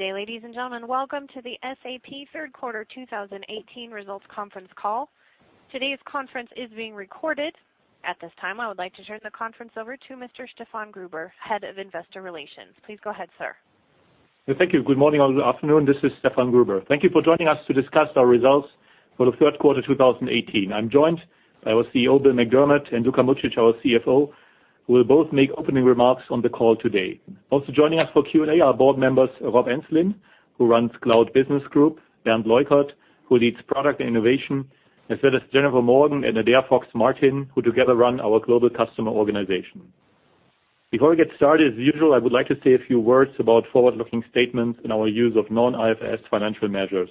Good day, ladies and gentlemen. Welcome to the SAP third quarter 2018 results conference call. Today's conference is being recorded. At this time, I would like to turn the conference over to Mr. Stefan Gruber, Head of Investor Relations. Please go ahead, sir. Thank you. Good morning or good afternoon. This is Stefan Gruber. Thank you for joining us to discuss our results for the third quarter 2018. I'm joined by our CEO, Bill McDermott, and Luka Mucic, our CFO, who will both make opening remarks on the call today. Also joining us for Q&A are board members Rob Enslin, who runs Cloud Business Group, Bernd Leukert, who leads Products & Innovation, as well as Jennifer Morgan and Adaire Fox-Martin, who together run our global customer organization. Before we get started, as usual, I would like to say a few words about forward-looking statements and our use of non-IFRS financial measures.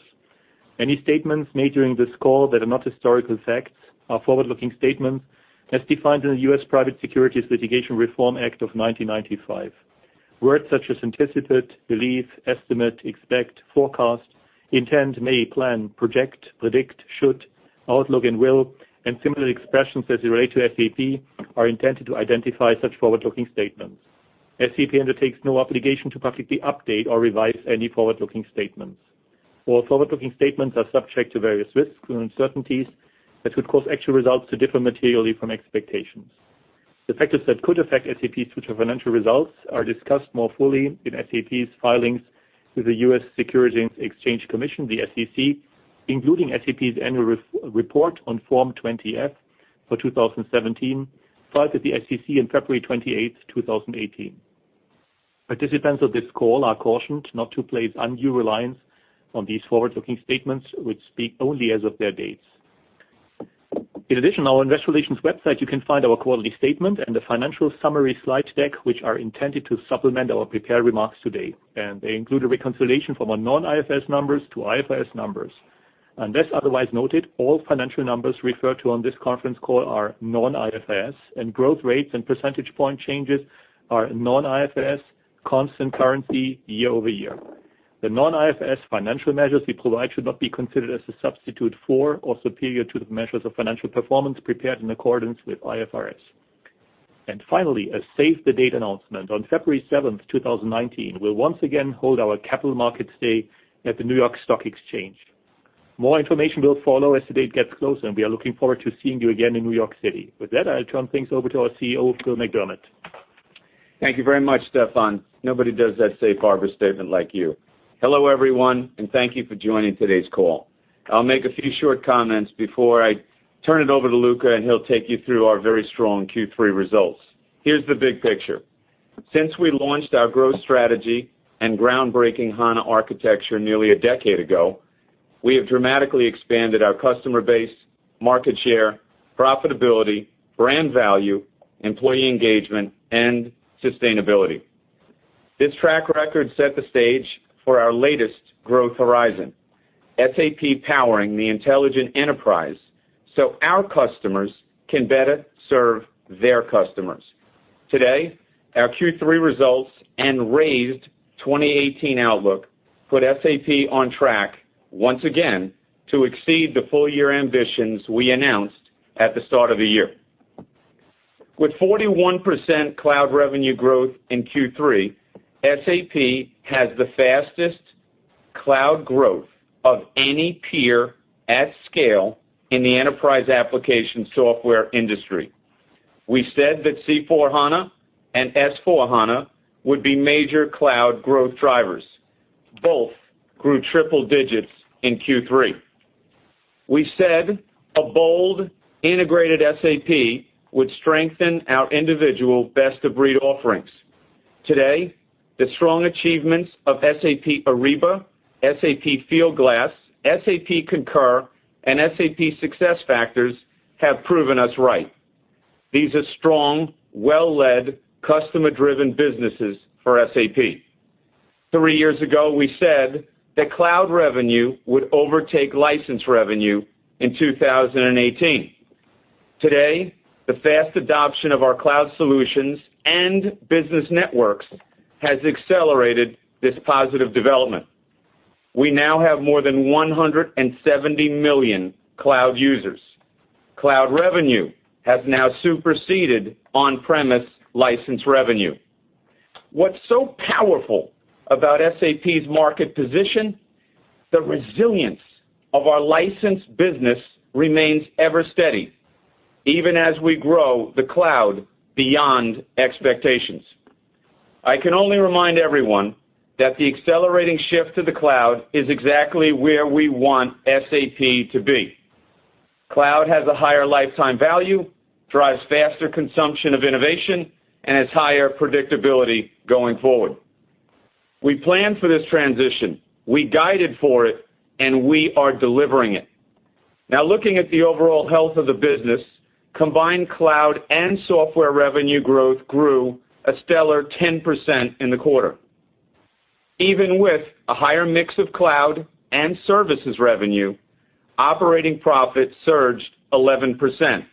Any statements made during this call that are not historical facts are forward-looking statements as defined in the U.S. Private Securities Litigation Reform Act of 1995. Words such as anticipated, believe, estimate, expect, forecast, intend, may plan, project, predict, should, outlook, and will, and similar expressions as they relate to SAP are intended to identify such forward-looking statements. SAP undertakes no obligation to publicly update or revise any forward-looking statements. All forward-looking statements are subject to various risks and uncertainties that could cause actual results to differ materially from expectations. The factors that could affect SAP's future financial results are discussed more fully in SAP's filings with the U.S. Securities and Exchange Commission, the SEC, including SAP's annual report on Form 20-F for 2017, filed with the SEC on February 28, 2018. Participants of this call are cautioned not to place undue reliance on these forward-looking statements, which speak only as of their dates. In addition, on our investor relations website, you can find our quarterly statement and the financial summary slide deck, which are intended to supplement our prepared remarks today. They include a reconciliation from our non-IFRS numbers to IFRS numbers. Unless otherwise noted, all financial numbers referred to on this conference call are non-IFRS, and growth rates and percentage point changes are non-IFRS constant currency year-over-year. The non-IFRS financial measures we provide should not be considered as a substitute for or superior to the measures of financial performance prepared in accordance with IFRS. Finally, a save-the-date announcement. On February 7th, 2019, we'll once again hold our Capital Markets Day at the New York Stock Exchange. More information will follow as the date gets closer, and we are looking forward to seeing you again in New York City. With that, I'll turn things over to our CEO, Bill McDermott. Thank you very much, Stefan. Nobody does that safe harbor statement like you. Hello, everyone, and thank you for joining today's call. I'll make a few short comments before I turn it over to Luka, and he'll take you through our very strong Q3 results. Here's the big picture. Since we launched our growth strategy and groundbreaking HANA architecture nearly a decade ago, we have dramatically expanded our customer base, market share, profitability, brand value, employee engagement, and sustainability. This track record set the stage for our latest growth horizon, SAP powering the intelligent enterprise so our customers can better serve their customers. Today, our Q3 results and raised 2018 outlook put SAP on track once again to exceed the full year ambitions we announced at the start of the year. With 41% cloud revenue growth in Q3, SAP has the fastest cloud growth of any peer at scale in the enterprise application software industry. We said that C/4HANA and S/4HANA would be major cloud growth drivers. Both grew triple digits in Q3. We said a bold, integrated SAP would strengthen our individual best-of-breed offerings. Today, the strong achievements of SAP Ariba, SAP Fieldglass, SAP Concur, and SAP SuccessFactors have proven us right. These are strong, well-led, customer-driven businesses for SAP. Three years ago, we said that cloud revenue would overtake license revenue in 2018. Today, the fast adoption of our cloud solutions and business networks has accelerated this positive development. We now have more than 170 million cloud users. Cloud revenue has now superseded on-premise license revenue. What's so powerful about SAP's market position? The resilience of our license business remains ever steady, even as we grow the cloud beyond expectations. I can only remind everyone that the accelerating shift to the cloud is exactly where we want SAP to be. Cloud has a higher lifetime value, drives faster consumption of innovation, and has higher predictability going forward. We planned for this transition. We guided for it, and we are delivering it. Now looking at the overall health of the business, combined cloud and software revenue growth grew a stellar 10% in the quarter. Even with a higher mix of cloud and services revenue, operating profit surged 11%,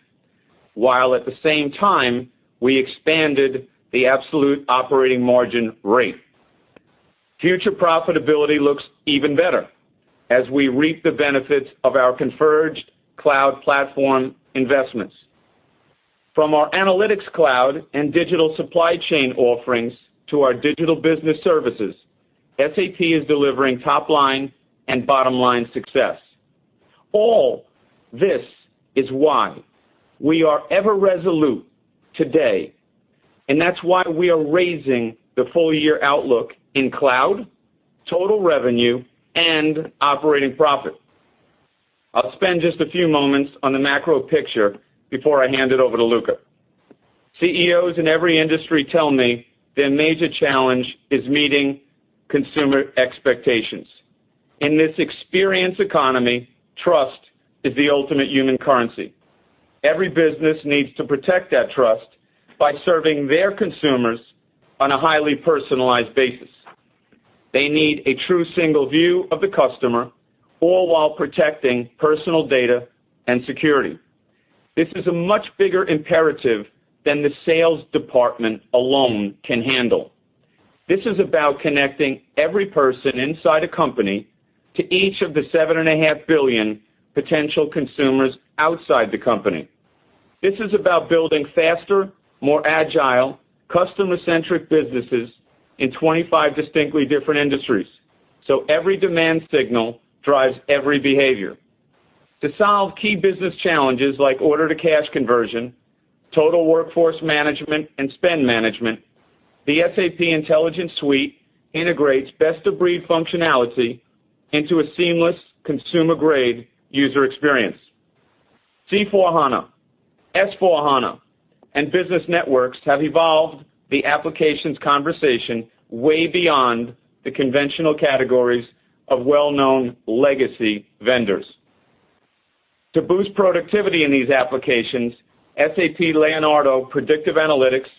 while at the same time, we expanded the absolute operating margin rate. Future profitability looks even better as we reap the benefits of our converged cloud platform investments. From our analytics cloud and digital supply chain offerings to our digital business services, SAP is delivering top-line and bottom-line success. All this is why we are ever resolute today. That's why we are raising the full-year outlook in cloud, total revenue, and operating profit. I'll spend just a few moments on the macro picture before I hand it over to Luka. CEOs in every industry tell me their major challenge is meeting consumer expectations. In this experience economy, trust is the ultimate human currency. Every business needs to protect that trust by serving their consumers on a highly personalized basis. They need a true single view of the customer, all while protecting personal data and security. This is a much bigger imperative than the sales department alone can handle. This is about connecting every person inside a company to each of the 7.5 billion potential consumers outside the company. This is about building faster, more agile, customer-centric businesses in 25 distinctly different industries. Every demand signal drives every behavior. To solve key business challenges like order-to-cash conversion, total workforce management, and spend management, the SAP Intelligent Suite integrates best-of-breed functionality into a seamless consumer-grade user experience. C/4HANA, S/4HANA, and business networks have evolved the applications conversation way beyond the conventional categories of well-known legacy vendors. To boost productivity in these applications, SAP Leonardo predictive analytics,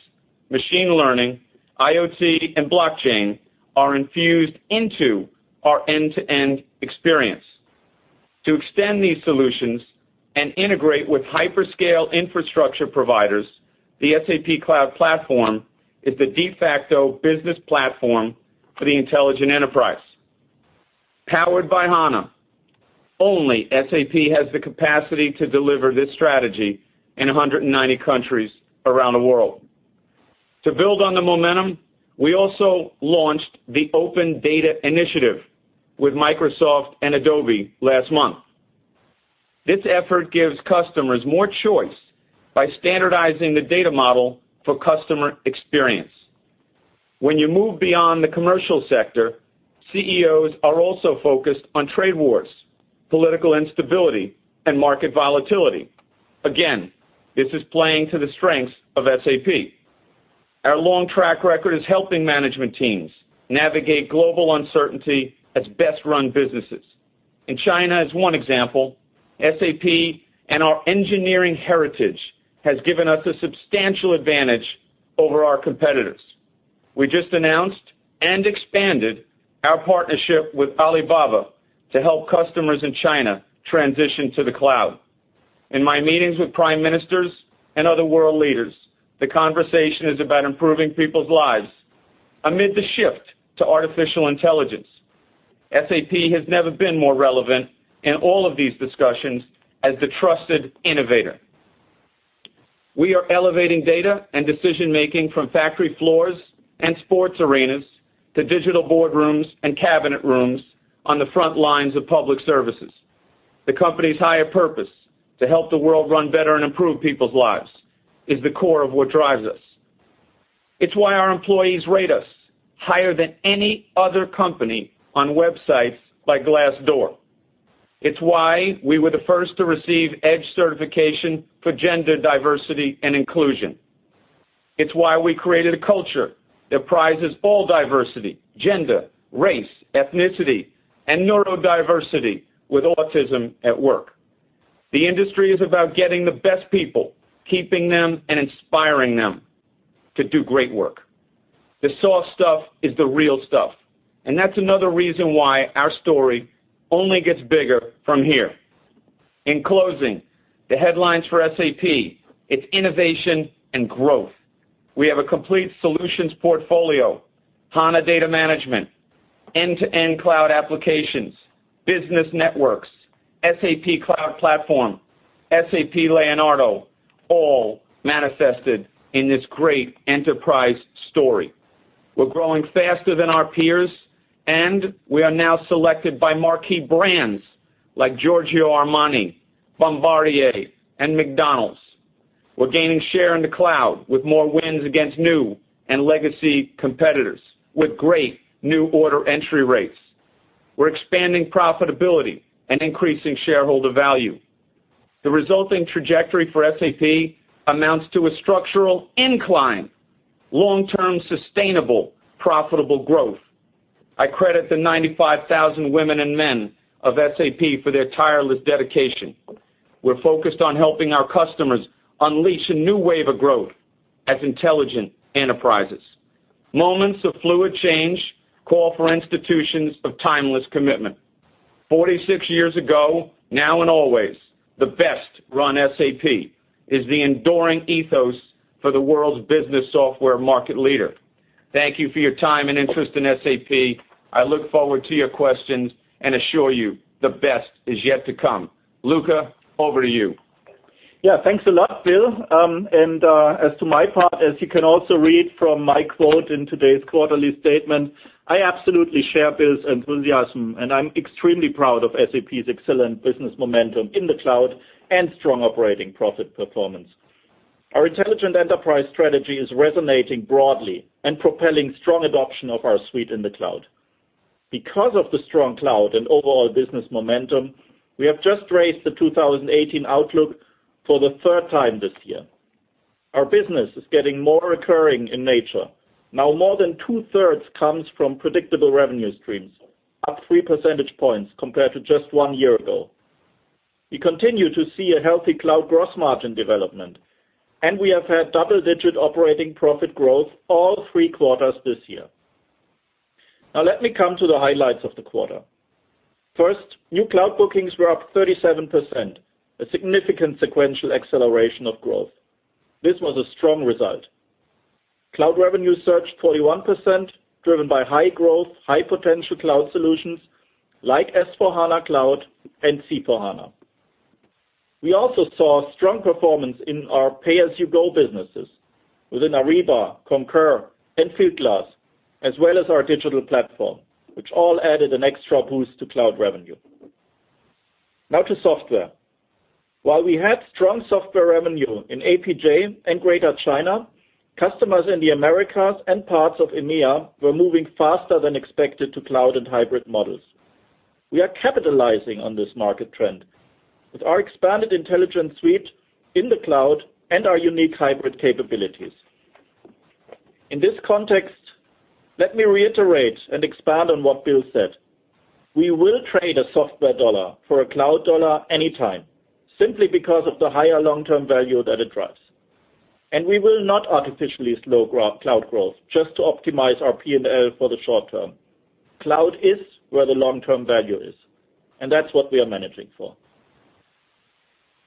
machine learning, IoT, and blockchain are infused into our end-to-end experience. To extend these solutions and integrate with hyperscale infrastructure providers, the SAP Cloud Platform is the de facto business platform for the intelligent enterprise. Powered by HANA, only SAP has the capacity to deliver this strategy in 190 countries around the world. To build on the momentum, we also launched the Open Data Initiative with Microsoft and Adobe last month. This effort gives customers more choice by standardizing the data model for customer experience. When you move beyond the commercial sector, CEOs are also focused on trade wars, political instability, and market volatility. Again, this is playing to the strengths of SAP. Our long track record is helping management teams navigate global uncertainty as best-run businesses. In China, as one example, SAP and our engineering heritage has given us a substantial advantage over our competitors. We just announced and expanded our partnership with Alibaba to help customers in China transition to the cloud. In my meetings with prime ministers and other world leaders, the conversation is about improving people's lives amid the shift to artificial intelligence. SAP has never been more relevant in all of these discussions as the trusted innovator. We are elevating data and decision-making from factory floors and sports arenas to digital boardrooms and cabinet rooms on the front lines of public services. The company's higher purpose, to help the world run better and improve people's lives, is the core of what drives us. It's why our employees rate us higher than any other company on websites like Glassdoor. It's why we were the first to receive EDGE certification for gender diversity and inclusion. It's why we created a culture that prizes all diversity, gender, race, ethnicity, and neurodiversity with Autism at Work. The industry is about getting the best people, keeping them, and inspiring them to do great work. The soft stuff is the real stuff, that's another reason why our story only gets bigger from here. In closing, the headlines for SAP, it's innovation and growth. We have a complete solutions portfolio, HANA data management, end-to-end cloud applications, business networks, SAP Cloud Platform, SAP Leonardo, all manifested in this great enterprise story. We're growing faster than our peers, we are now selected by marquee brands like Giorgio Armani, Bombardier, and McDonald's. We're gaining share in the cloud with more wins against new and legacy competitors with great new order entry rates. We're expanding profitability and increasing shareholder value. The resulting trajectory for SAP amounts to a structural incline, long-term sustainable, profitable growth. I credit the 95,000 women and men of SAP for their tireless dedication. We're focused on helping our customers unleash a new wave of growth as intelligent enterprises. Thanks a lot, Bill. As to my part, as you can also read from my quote in today's quarterly statement, I absolutely share Bill's enthusiasm, I'm extremely proud of SAP's excellent business momentum in the cloud and strong operating profit performance. Our intelligent enterprise strategy is resonating broadly and propelling strong adoption of our suite in the cloud. Because of the strong cloud and overall business momentum, we have just raised the 2018 outlook for the third time this year. Our business is getting more recurring in nature. More than two-thirds comes from predictable revenue streams, up three percentage points compared to just one year ago. We continue to see a healthy cloud gross margin development, we have had double-digit operating profit growth all three quarters this year. Let me come to the highlights of the quarter. First, new cloud bookings were up 37%, a significant sequential acceleration of growth. This was a strong result. customers in the Americas and parts of EMEA were moving faster than expected to cloud and hybrid models. We are capitalizing on this market trend with our expanded intelligent suite in the cloud and our unique hybrid capabilities. In this context, let me reiterate and expand on what Bill said. We will trade a software dollar for a cloud dollar anytime, simply because of the higher long-term value that it drives. We will not artificially slow cloud growth just to optimize our P&L for the short term. Cloud is where the long-term value is, and that's what we are managing for.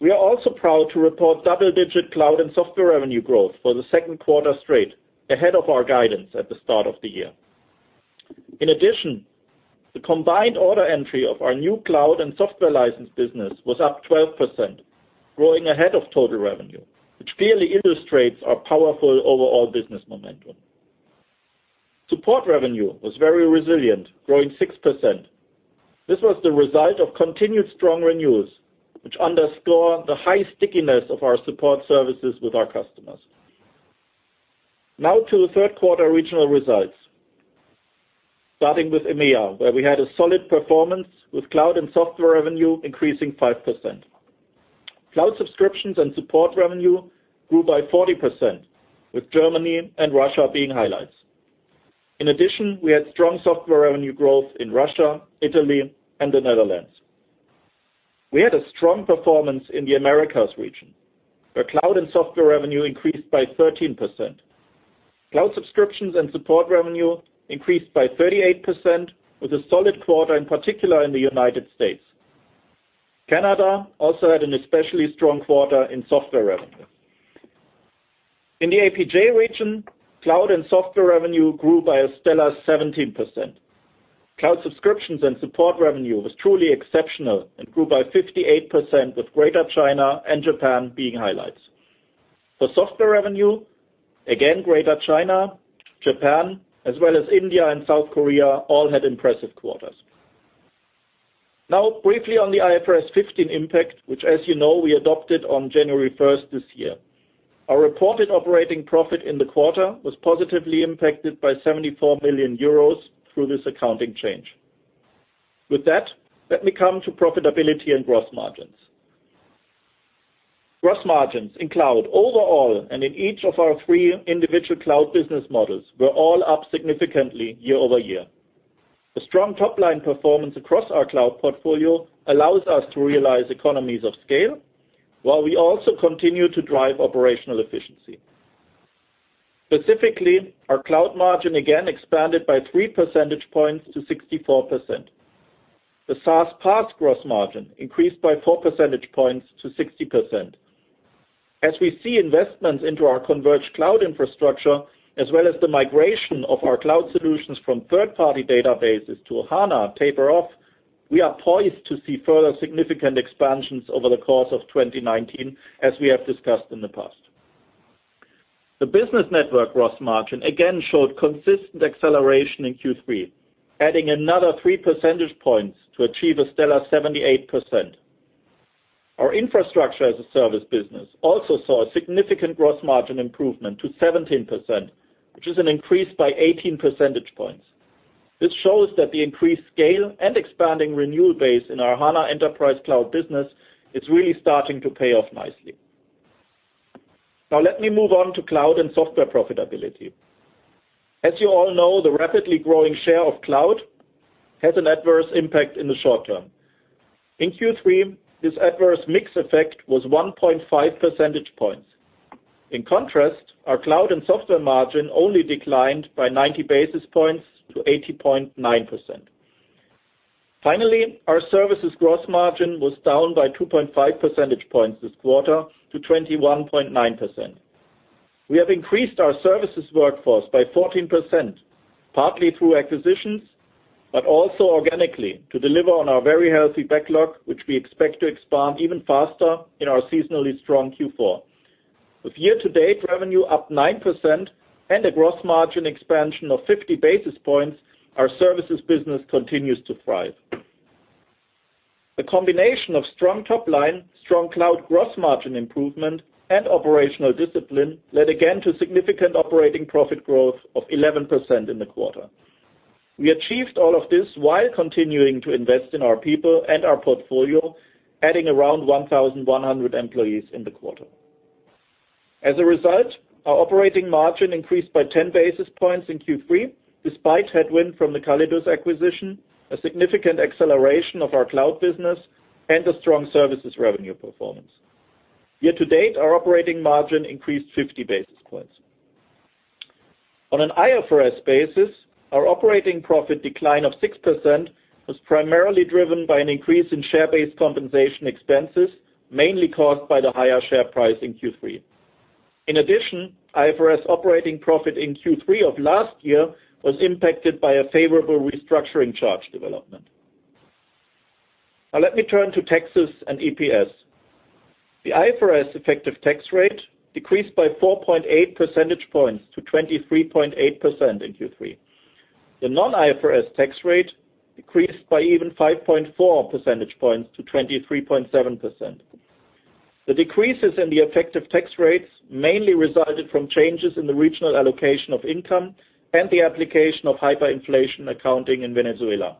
We are also proud to report double-digit cloud and software revenue growth for the second quarter straight, ahead of our guidance at the start of the year. In addition, the combined order entry of our new cloud and software license business was up 12%, growing ahead of total revenue, which clearly illustrates our powerful overall business momentum. Support revenue was very resilient, growing 6%. This was the result of continued strong renewals, which underscore the high stickiness of our support services with our customers. Now to the third quarter regional results. Starting with EMEA, where we had a solid performance with cloud and software revenue increasing 5%. Cloud subscriptions and support revenue grew by 40%, with Germany and Russia being highlights. In addition, we had strong software revenue growth in Russia, Italy, and the Netherlands. We had a strong performance in the Americas region, where cloud and software revenue increased by 13%. Cloud subscriptions and support revenue increased by 38% with a solid quarter, in particular in the United States. Canada also had an especially strong quarter in software revenue. In the APJ region, cloud and software revenue grew by a stellar 17%. Cloud subscriptions and support revenue was truly exceptional and grew by 58% with Greater China and Japan being highlights. For software revenue, again, Greater China, Japan, as well as India and South Korea all had impressive quarters. Now, briefly on the IFRS 15 impact, which as you know, we adopted on January 1st this year. Our reported operating profit in the quarter was positively impacted by 74 million euros through this accounting change. With that, let me come to profitability and gross margins. Gross margins in cloud overall and in each of our three individual cloud business models were all up significantly year-over-year. The strong top-line performance across our cloud portfolio allows us to realize economies of scale, while we also continue to drive operational efficiency. Specifically, our cloud margin again expanded by three percentage points to 64%. The SaaS PaaS gross margin increased by four percentage points to 60%. As we see investments into our converged cloud infrastructure, as well as the migration of our cloud solutions from third-party databases to HANA taper off, we are poised to see further significant expansions over the course of 2019, as we have discussed in the past. The business network gross margin again showed consistent acceleration in Q3, adding another three percentage points to achieve a stellar 78%. Our infrastructure as a service business also saw a significant gross margin improvement to 17%, which is an increase by 18 percentage points. This shows that the increased scale and expanding renewal base in our HANA Enterprise Cloud business is really starting to pay off nicely. Now let me move on to cloud and software profitability. As you all know, the rapidly growing share of cloud has an adverse impact in the short term. In Q3, this adverse mix effect was 1.5 percentage points. In contrast, our cloud and software margin only declined by 90 basis points to 80.9%. Finally, our services gross margin was down by 2.5 percentage points this quarter to 21.9%. We have increased our services workforce by 14%, partly through acquisitions, but also organically to deliver on our very healthy backlog, which we expect to expand even faster in our seasonally strong Q4. With year-to-date revenue up 9% and a gross margin expansion of 50 basis points, our services business continues to thrive. The combination of strong top line, strong cloud gross margin improvement, and operational discipline led again to significant operating profit growth of 11% in the quarter. We achieved all of this while continuing to invest in our people and our portfolio, adding around 1,100 employees in the quarter. As a result, our operating margin increased by 10 basis points in Q3 despite headwind from the Callidus acquisition, a significant acceleration of our cloud business, and a strong services revenue performance. Year-to-date, our operating margin increased 50 basis points. On an IFRS basis, our operating profit decline of 6% was primarily driven by an increase in share-based compensation expenses, mainly caused by the higher share price in Q3. In addition, IFRS operating profit in Q3 of last year was impacted by a favorable restructuring charge development. Let me turn to taxes and EPS. The IFRS effective tax rate decreased by 4.8 percentage points to 23.8% in Q3. The non-IFRS tax rate decreased by even 5.4 percentage points to 23.7%. The decreases in the effective tax rates mainly resulted from changes in the regional allocation of income and the application of hyperinflation accounting in Venezuela.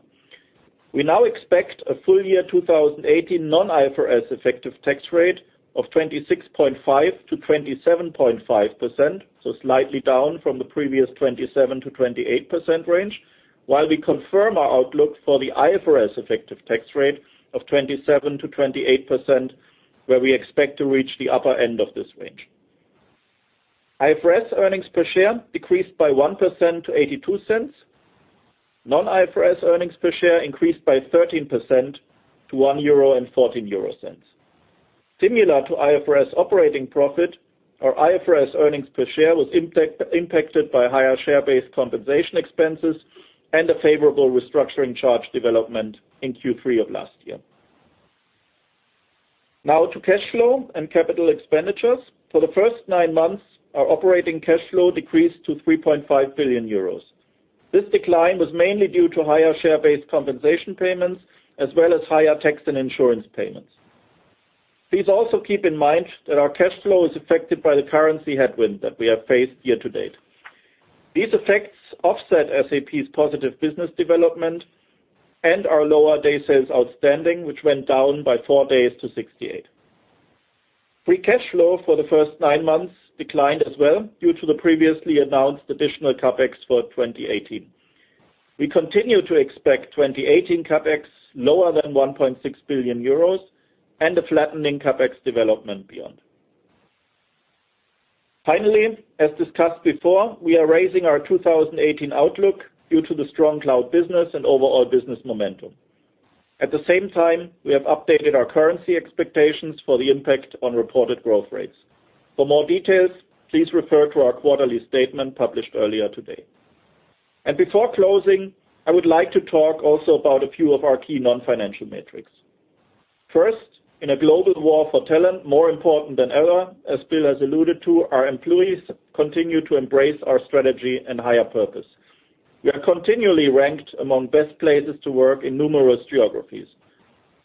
We now expect a full year 2018 non-IFRS effective tax rate of 26.5%-27.5%, so slightly down from the previous 27%-28% range. While we confirm our outlook for the IFRS effective tax rate of 27%-28%, where we expect to reach the upper end of this range. IFRS earnings per share decreased by 1% to 0.82. Non-IFRS earnings per share increased by 13% to 1.14 euro. Similar to IFRS operating profit, our IFRS earnings per share was impacted by higher share-based compensation expenses and a favorable restructuring charge development in Q3 of last year. To cash flow and capital expenditures. For the first nine months, our operating cash flow decreased to 3.5 billion euros. This decline was mainly due to higher share-based compensation payments, as well as higher tax and insurance payments. Please also keep in mind that our cash flow is affected by the currency headwind that we have faced year-to-date. These effects offset SAP's positive business development and our lower day sales outstanding, which went down by four days to 68. Free cash flow for the first nine months declined as well due to the previously announced additional CapEx for 2018. We continue to expect 2018 CapEx lower than 1.6 billion euros and a flattening CapEx development beyond. Before closing, I would like to talk also about a few of our key non-financial metrics. First, in a global war for talent more important than ever, as Bill has alluded to, our employees continue to embrace our strategy and higher purpose. We are continually ranked among best places to work in numerous geographies.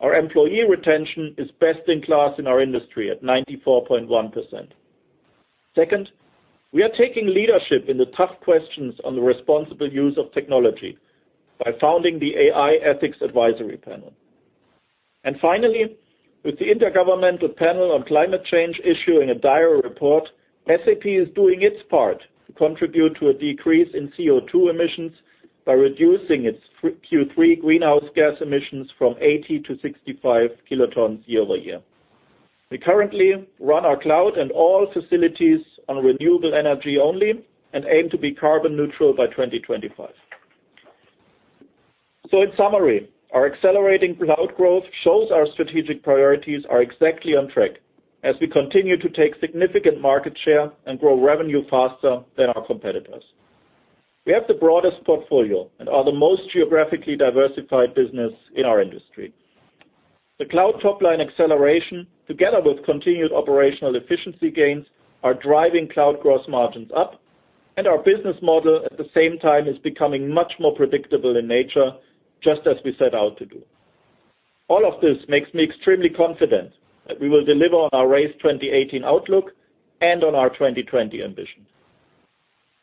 Our employee retention is best in class in our industry at 94.1%. Second, we are taking leadership in the tough questions on the responsible use of technology by founding the AI Ethics Advisory Panel. Finally, with the Intergovernmental Panel on Climate Change issuing a dire report, SAP is doing its part to contribute to a decrease in CO2 emissions by reducing its Q3 greenhouse gas emissions from 80 to 65 kilotons year-over-year. We currently run our cloud and all facilities on renewable energy only and aim to be carbon neutral by 2025. In summary, our accelerating cloud growth shows our strategic priorities are exactly on track as we continue to take significant market share and grow revenue faster than our competitors. We have the broadest portfolio and are the most geographically diversified business in our industry. The cloud top-line acceleration, together with continued operational efficiency gains, are driving cloud gross margins up. Our business model at the same time is becoming much more predictable in nature, just as we set out to do. All of this makes me extremely confident that we will deliver on our raised 2018 outlook and on our 2020 ambition.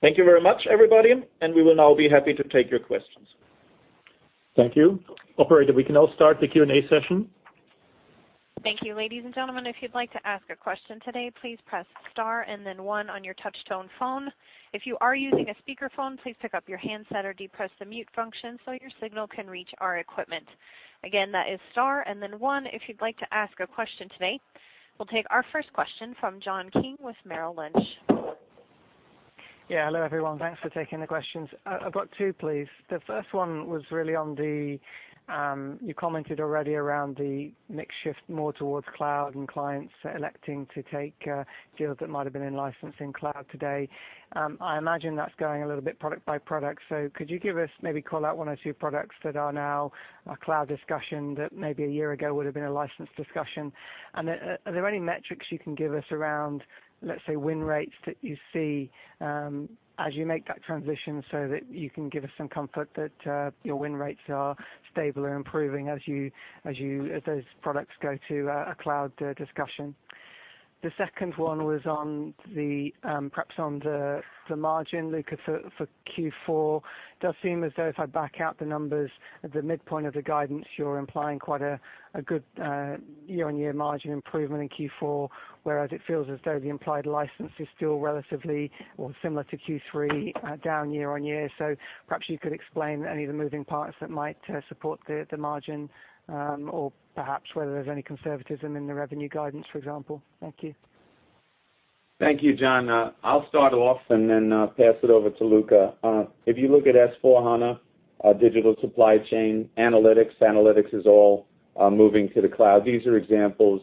Thank you very much, everybody. We will now be happy to take your questions. Thank you. Operator, we can now start the Q&A session. Thank you. Ladies and gentlemen, if you'd like to ask a question today, please press star and then one on your touch-tone phone. If you are using a speakerphone, please pick up your handset or depress the mute function so your signal can reach our equipment. Again, that is star and then one if you'd like to ask a question today. We'll take our first question from John King with Merrill Lynch. Hello, everyone. Thanks for taking the questions. I've got two, please. The first one was really on the, you commented already around the mix shift more towards cloud and clients electing to take deals that might have been in licensing cloud today. I imagine that's going a little bit product by product. Could you give us, maybe call out one or two products that are now a cloud discussion, that maybe 1 year ago would have been a license discussion? Are there any metrics you can give us around, let's say, win rates that you see as you make that transition so that you can give us some comfort that your win rates are stable or improving as those products go to a cloud discussion? The second one was perhaps on the margin, Luka, for Q4. It does seem as though if I back out the numbers at the midpoint of the guidance, you're implying quite a good year-on-year margin improvement in Q4, whereas it feels as though the implied license is still relatively or similar to Q3 down year-on-year. Perhaps you could explain any of the moving parts that might support the margin, or perhaps whether there's any conservatism in the revenue guidance, for example. Thank you. Thank you, John. I'll start off and then pass it over to Luka. If you look at S/4HANA, digital supply chain, analytics is all moving to the cloud. These are examples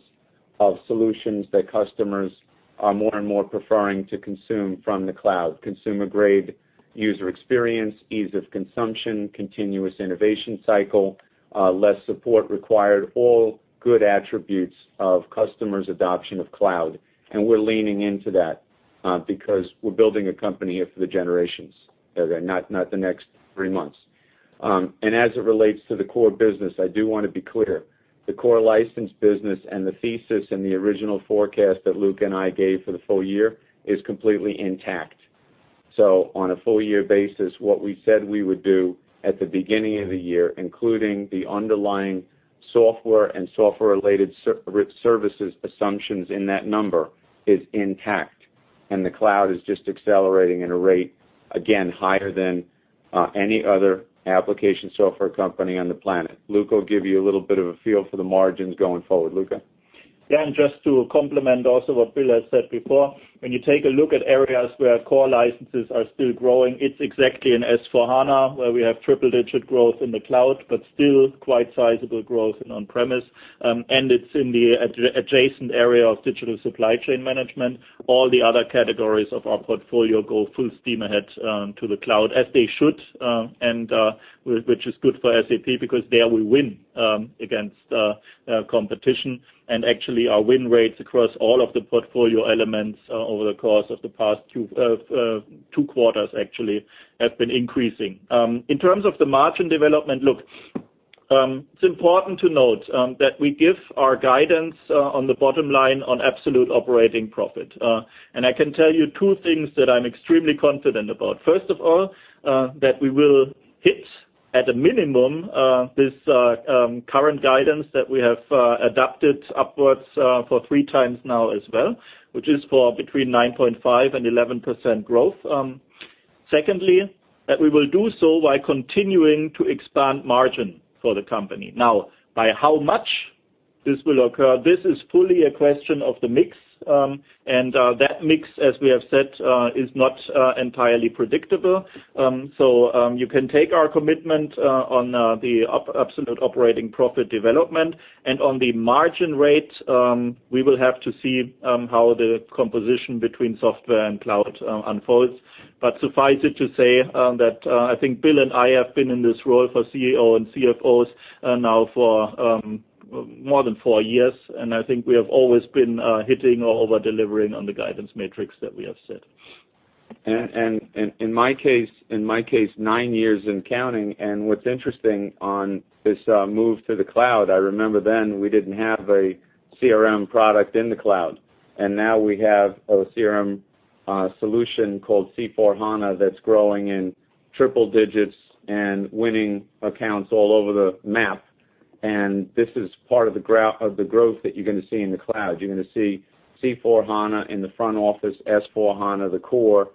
of solutions that customers are more and more preferring to consume from the cloud. Consumer-grade user experience, ease of consumption, continuous innovation cycle, less support required, all good attributes of customers' adoption of cloud. We're leaning into that, because we're building a company here for the generations. Okay? Not the next three months. As it relates to the core business, I do want to be clear, the core license business and the thesis and the original forecast that Luka and I gave for the full year is completely intact. On a full year basis, what we said we would do at the beginning of the year, including the underlying software and software-related services assumptions in that number, is intact, the cloud is just accelerating at a rate, again, higher than any other application software company on the planet. Luka will give you a little bit of a feel for the margins going forward. Luka? Yeah, just to complement also what Bill has said before, when you take a look at areas where core licenses are still growing, it's exactly in S/4HANA, where we have triple-digit growth in the cloud, but still quite sizable growth in on-premise, and it's in the adjacent area of digital supply chain management. All the other categories of our portfolio go full steam ahead to the cloud, as they should, which is good for SAP because there we win against competition. Actually, our win rates across all of the portfolio elements over the course of the past 2 quarters actually have been increasing. In terms of the margin development, look, it's important to note that we give our guidance on the bottom line on absolute operating profit. I can tell you 2 things that I'm extremely confident about. First of all, that we will hit at a minimum, this current guidance that we have adapted upwards for 3 times now as well, which is for between 9.5%-11% growth. Secondly, that we will do so by continuing to expand margin for the company. Now, by how much this will occur, this is fully a question of the mix, and that mix, as we have said, is not entirely predictable. You can take our commitment on the absolute operating profit development, and on the margin rate, we will have to see how the composition between software and cloud unfolds. Suffice it to say that I think Bill and I have been in this role for CEO and CFOs now for more than 4 years, I think we have always been hitting or over-delivering on the guidance metrics that we have set. In my case, 9 years and counting, what's interesting on this move to the cloud, I remember then we didn't have a CRM product in the cloud, now we have a CRM solution called C/4HANA that's growing in triple digits and winning accounts all over the map. This is part of the growth that you're going to see in the cloud. You're going to see C/4HANA in the front office, S/4HANA the core,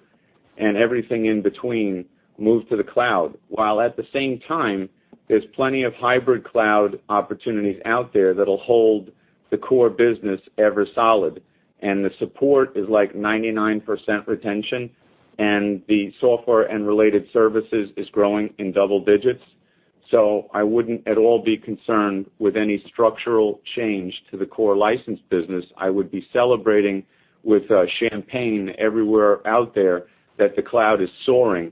and everything in between move to the cloud. While at the same time, there's plenty of hybrid cloud opportunities out there that'll hold the core business ever solid, and the support is like 99% retention, and the software and related services is growing in double digits. I wouldn't at all be concerned with any structural change to the core license business. I would be celebrating with champagne everywhere out there that the cloud is soaring.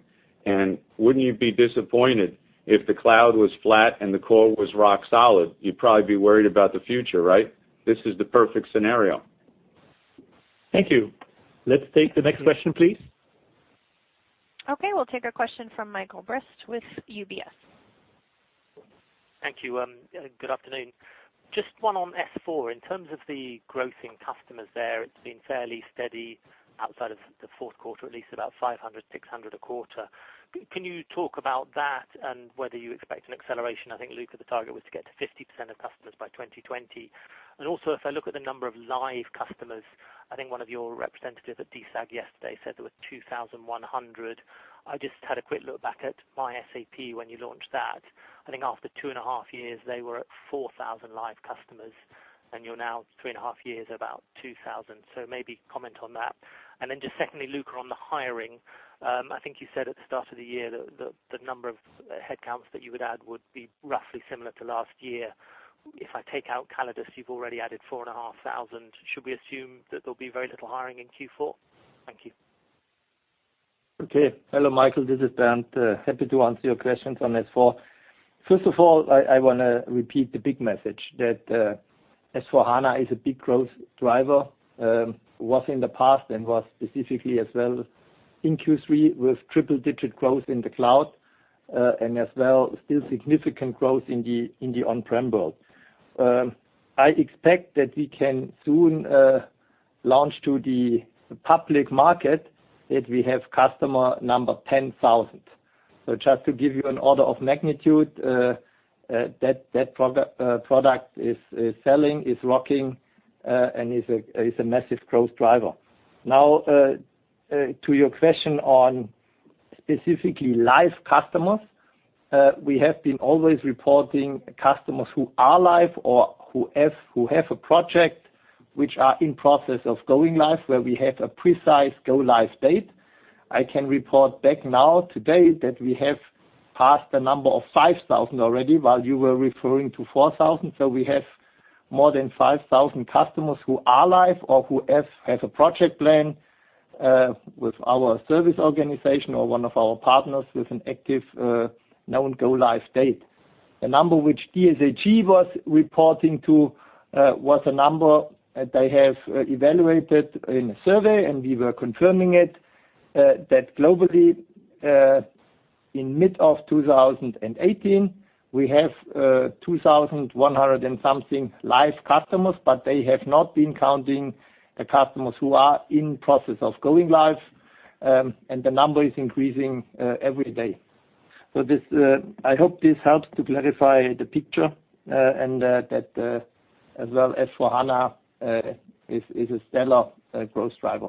Wouldn't you be disappointed if the cloud was flat and the core was rock solid? You'd probably be worried about the future, right? This is the perfect scenario. Thank you. Let's take the next question, please. Okay. We'll take a question from Michael Briest with UBS. Thank you. Good afternoon. Just one on S/4. In terms of the growth in customers there, it's been fairly steady outside of the fourth quarter, at least about 500, 600 a quarter. Can you talk about that and whether you expect an acceleration? I think, Luka, the target was to get to 50% of customers by 2020. Also, if I look at the number of live customers, I think one of your representatives at DSAG yesterday said there were 2,100. I just had a quick look back at mySAP when you launched that. I think after two and a half years, they were at 4,000 live customers. You're now three and a half years, about 2,000. Maybe comment on that. Just secondly, Luka, on the hiring, I think you said at the start of the year that the number of headcounts that you would add would be roughly similar to last year. If I take out Callidus, you've already added 4,500. Should we assume that there'll be very little hiring in Q4? Thank you. Okay. Hello, Michael. This is Bernd. Happy to answer your questions on S/4. First of all, I want to repeat the big message that S/4HANA is a big growth driver, was in the past and was specifically as well in Q3 with triple-digit growth in the cloud, and as well, still significant growth in the on-prem world. I expect that we can soon launch to the public market that we have customer number 10,000. Just to give you an order of magnitude, that product is selling, is rocking, and is a massive growth driver. To your question on specifically live customers, we have been always reporting customers who are live or who have a project which are in process of going live, where we have a precise go-live date. I can report back now today that we have passed the number of 5,000 already while you were referring to 4,000. We have more than 5,000 customers who are live or who have a project plan, with our service organization or one of our partners with an active, known go-live date. The number which DSAG was reporting to, was a number that they have evaluated in a survey, and we were confirming it, that globally, in mid of 2018, we have 2,100 and something live customers, but they have not been counting the customers who are in process of going live. The number is increasing every day. I hope this helps to clarify the picture, and that as well S/4HANA is a stellar growth driver.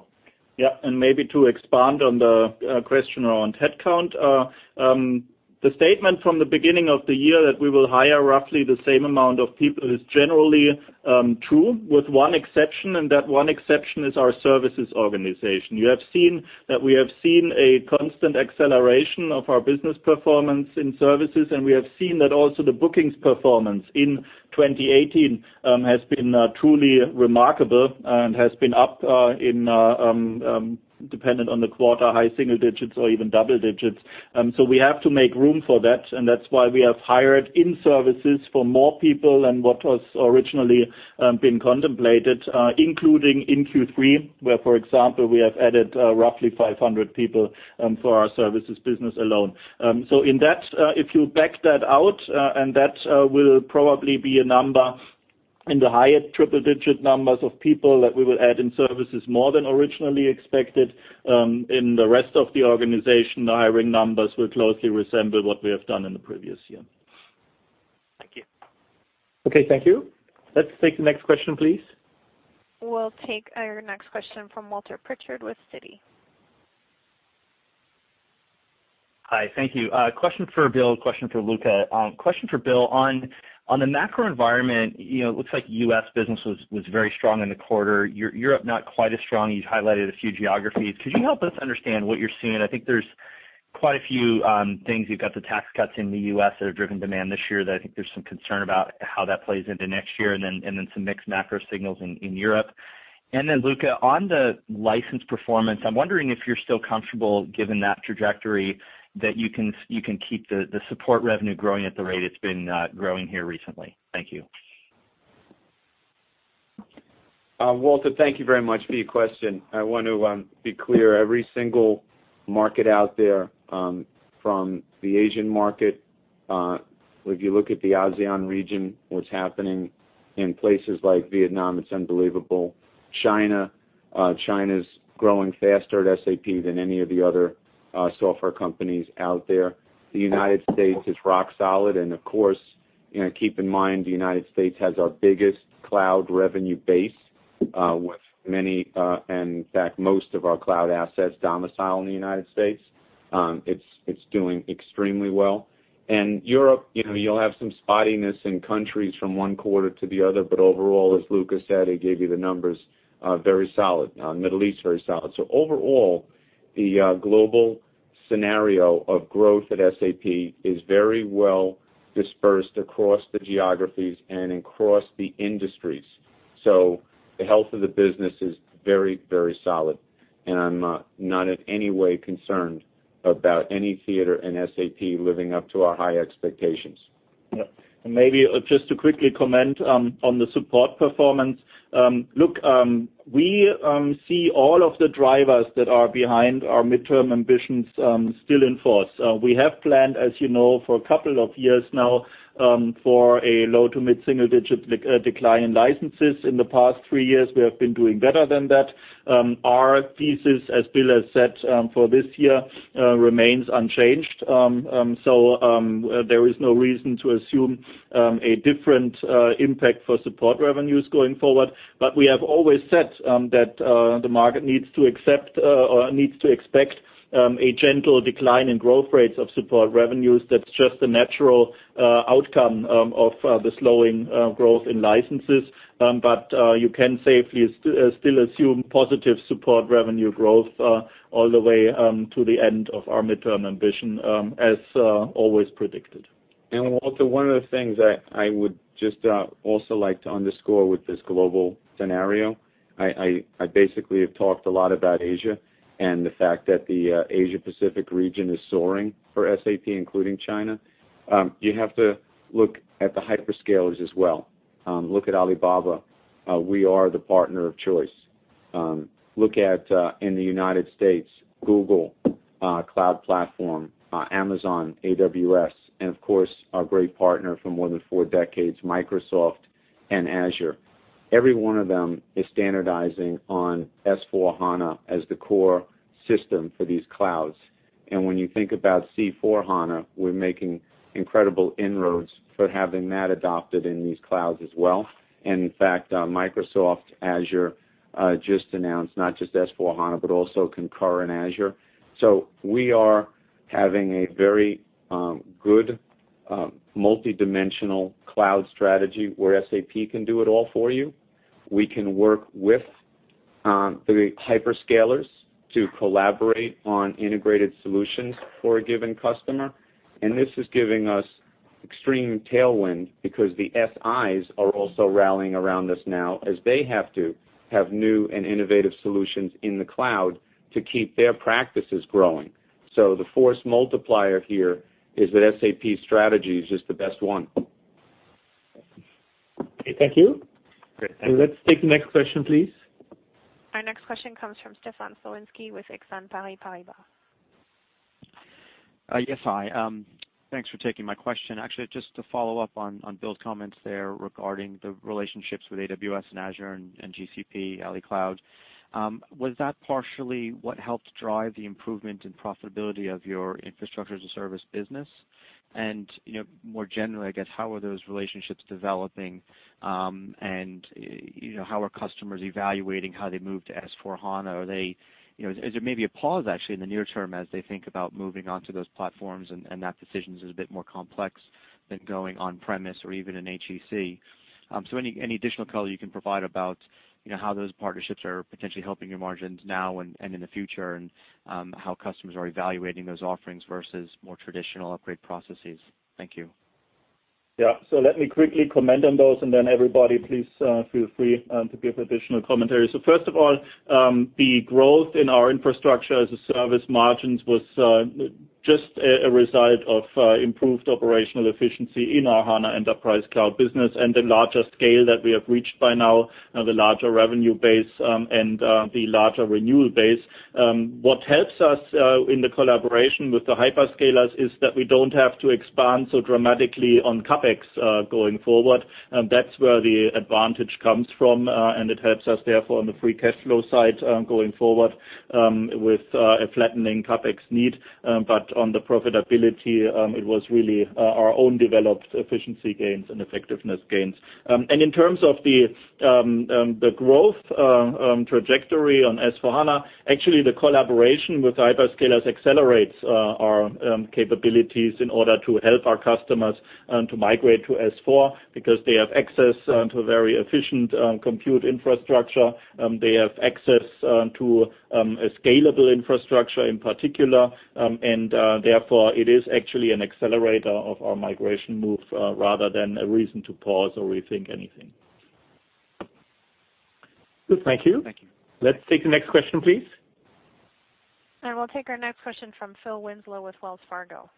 Maybe to expand on the question around headcount. The statement from the beginning of the year that we will hire roughly the same amount of people is generally true with one exception, and that one exception is our services organization. You have seen that we have seen a constant acceleration of our business performance in services, and we have seen that also the bookings performance in 2018 has been truly remarkable and has been up in, dependent on the quarter, high single digits or even double digits. We have to make room for that, and that's why we have hired in services for more people than what was originally being contemplated, including in Q3, where, for example, we have added roughly 500 people for our services business alone. In that, if you back that out, and that will probably be a number in the higher triple-digit numbers of people that we will add in services more than originally expected. In the rest of the organization, the hiring numbers will closely resemble what we have done in the previous year. Thank you. Okay. Thank you. Let's take the next question, please. We'll take our next question from Walter Pritchard with Citi. Hi. Thank you. Question for Bill, question for Luka. Question for Bill, on the macro environment, it looks like U.S. business was very strong in the quarter. Europe not quite as strong. You've highlighted a few geographies. Could you help us understand what you're seeing? I think there's quite a few things. You've got the tax cuts in the U.S. that have driven demand this year that I think there's some concern about how that plays into next year, and then some mixed macro signals in Europe. Luka, on the license performance, I'm wondering if you're still comfortable, given that trajectory, that you can keep the support revenue growing at the rate it's been growing here recently. Thank you. Walter, thank you very much for your question. I want to be clear. Every single market out there, from the Asian market, if you look at the ASEAN region, what's happening in places like Vietnam, it's unbelievable. China's growing faster at SAP than any of the other software companies out there. The U.S. is rock solid, and of course, keep in mind, the U.S. has our biggest cloud revenue base, with many, and in fact, most of our cloud assets domicile in the U.S. It's doing extremely well. Europe, you'll have some spottiness in countries from one quarter to the other, but overall, as Luka said, he gave you the numbers, very solid. Middle East, very solid. Overall, the global scenario of growth at SAP is very well dispersed across the geographies and across the industries. The health of the business is very, very solid, and I'm not in any way concerned about any theater in SAP living up to our high expectations. Maybe just to quickly comment on the support performance. Look, we see all of the drivers that are behind our midterm ambitions still in force. We have planned, as you know, for a couple of years now, for a low to mid-single digit decline in licenses. In the past three years, we have been doing better than that. Our thesis, as Bill has said, for this year, remains unchanged. There is no reason to assume a different impact for support revenues going forward. We have always said that the market needs to accept, or needs to expect, a gentle decline in growth rates of support revenues. That's just the natural outcome of the slowing growth in licenses. You can safely still assume positive support revenue growth all the way to the end of our midterm ambition, as always predicted. Walter, one of the things I would just also like to underscore with this global scenario, I basically have talked a lot about Asia and the fact that the Asia Pacific region is soaring for SAP, including China. You have to look at the hyperscalers as well. Look at Alibaba. We are the partner of choice. Look at, in the U.S., Google Cloud Platform, Amazon AWS, and of course, our great partner for more than four decades, Microsoft and Azure. Every one of them is standardizing on S/4HANA as the core system for these clouds. When you think about C/4HANA, we're making incredible inroads for having that adopted in these clouds as well. In fact, Microsoft Azure just announced not just S/4HANA, but also Concur and Azure. We are having a very good multidimensional cloud strategy where SAP can do it all for you. We can work with the hyperscalers to collaborate on integrated solutions for a given customer. This is giving us extreme tailwind because the SIs are also rallying around us now as they have to have new and innovative solutions in the cloud to keep their practices growing. The force multiplier here is that SAP strategy is just the best one. Okay. Thank you. Great. Thank you. Let's take the next question, please. Our next question comes from Stefan Slowinski with Exane BNP Paribas. Yes. Hi. Thanks for taking my question. Just to follow up on Bill's comments there regarding the relationships with AWS and Azure and GCP, AliCloud. Was that partially what helped drive the improvement in profitability of your Infrastructure as a Service business? More generally, I guess, how are those relationships developing, and how are customers evaluating how they move to S/4HANA? Is there maybe a pause actually in the near term as they think about moving onto those platforms and that decisions is a bit more complex than going on premise or even in HEC? Any additional color you can provide about how those partnerships are potentially helping your margins now and in the future, and how customers are evaluating those offerings versus more traditional upgrade processes. Thank you. Yes. Let me quickly comment on those, and then everybody, please feel free to give additional commentary. First of all, the growth in our Infrastructure as a Service margins was just a result of improved operational efficiency in our HANA Enterprise Cloud business and the larger scale that we have reached by now, the larger revenue base, and the larger renewal base. What helps us in the collaboration with the hyperscalers is that we don't have to expand so dramatically on CapEx, going forward. That's where the advantage comes from. It helps us, therefore, on the free cash flow side, going forward, with a flattening CapEx need. On the profitability, it was really our own developed efficiency gains and effectiveness gains. In terms of the growth trajectory on S/4HANA, actually, the collaboration with hyperscalers accelerates our capabilities in order to help our customers to migrate to S/4 because they have access to a very efficient compute infrastructure. They have access to a scalable infrastructure in particular. Therefore, it is actually an accelerator of our migration move rather than a reason to pause or rethink anything. Good. Thank you. Thank you. Let's take the next question, please. We'll take our next question from Phil Winslow with Wells Fargo.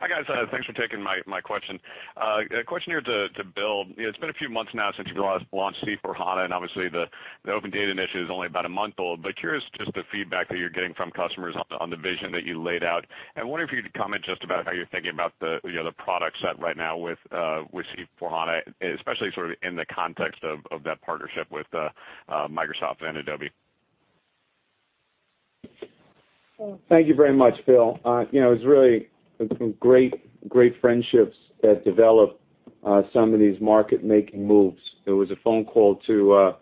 Hi, guys. Thanks for taking my question. A question here to Bill. It's been a few months now since you launched C/4HANA, and obviously the Open Data Initiative is only about a month old, but curious just the feedback that you're getting from customers on the vision that you laid out. I wonder if you could comment just about how you're thinking about the other product set right now with C/4HANA, especially sort of in the context of that partnership with Microsoft and Adobe. Thank you very much, Phil. It was really great friendships that developed some of these market-making moves. It was a phone call to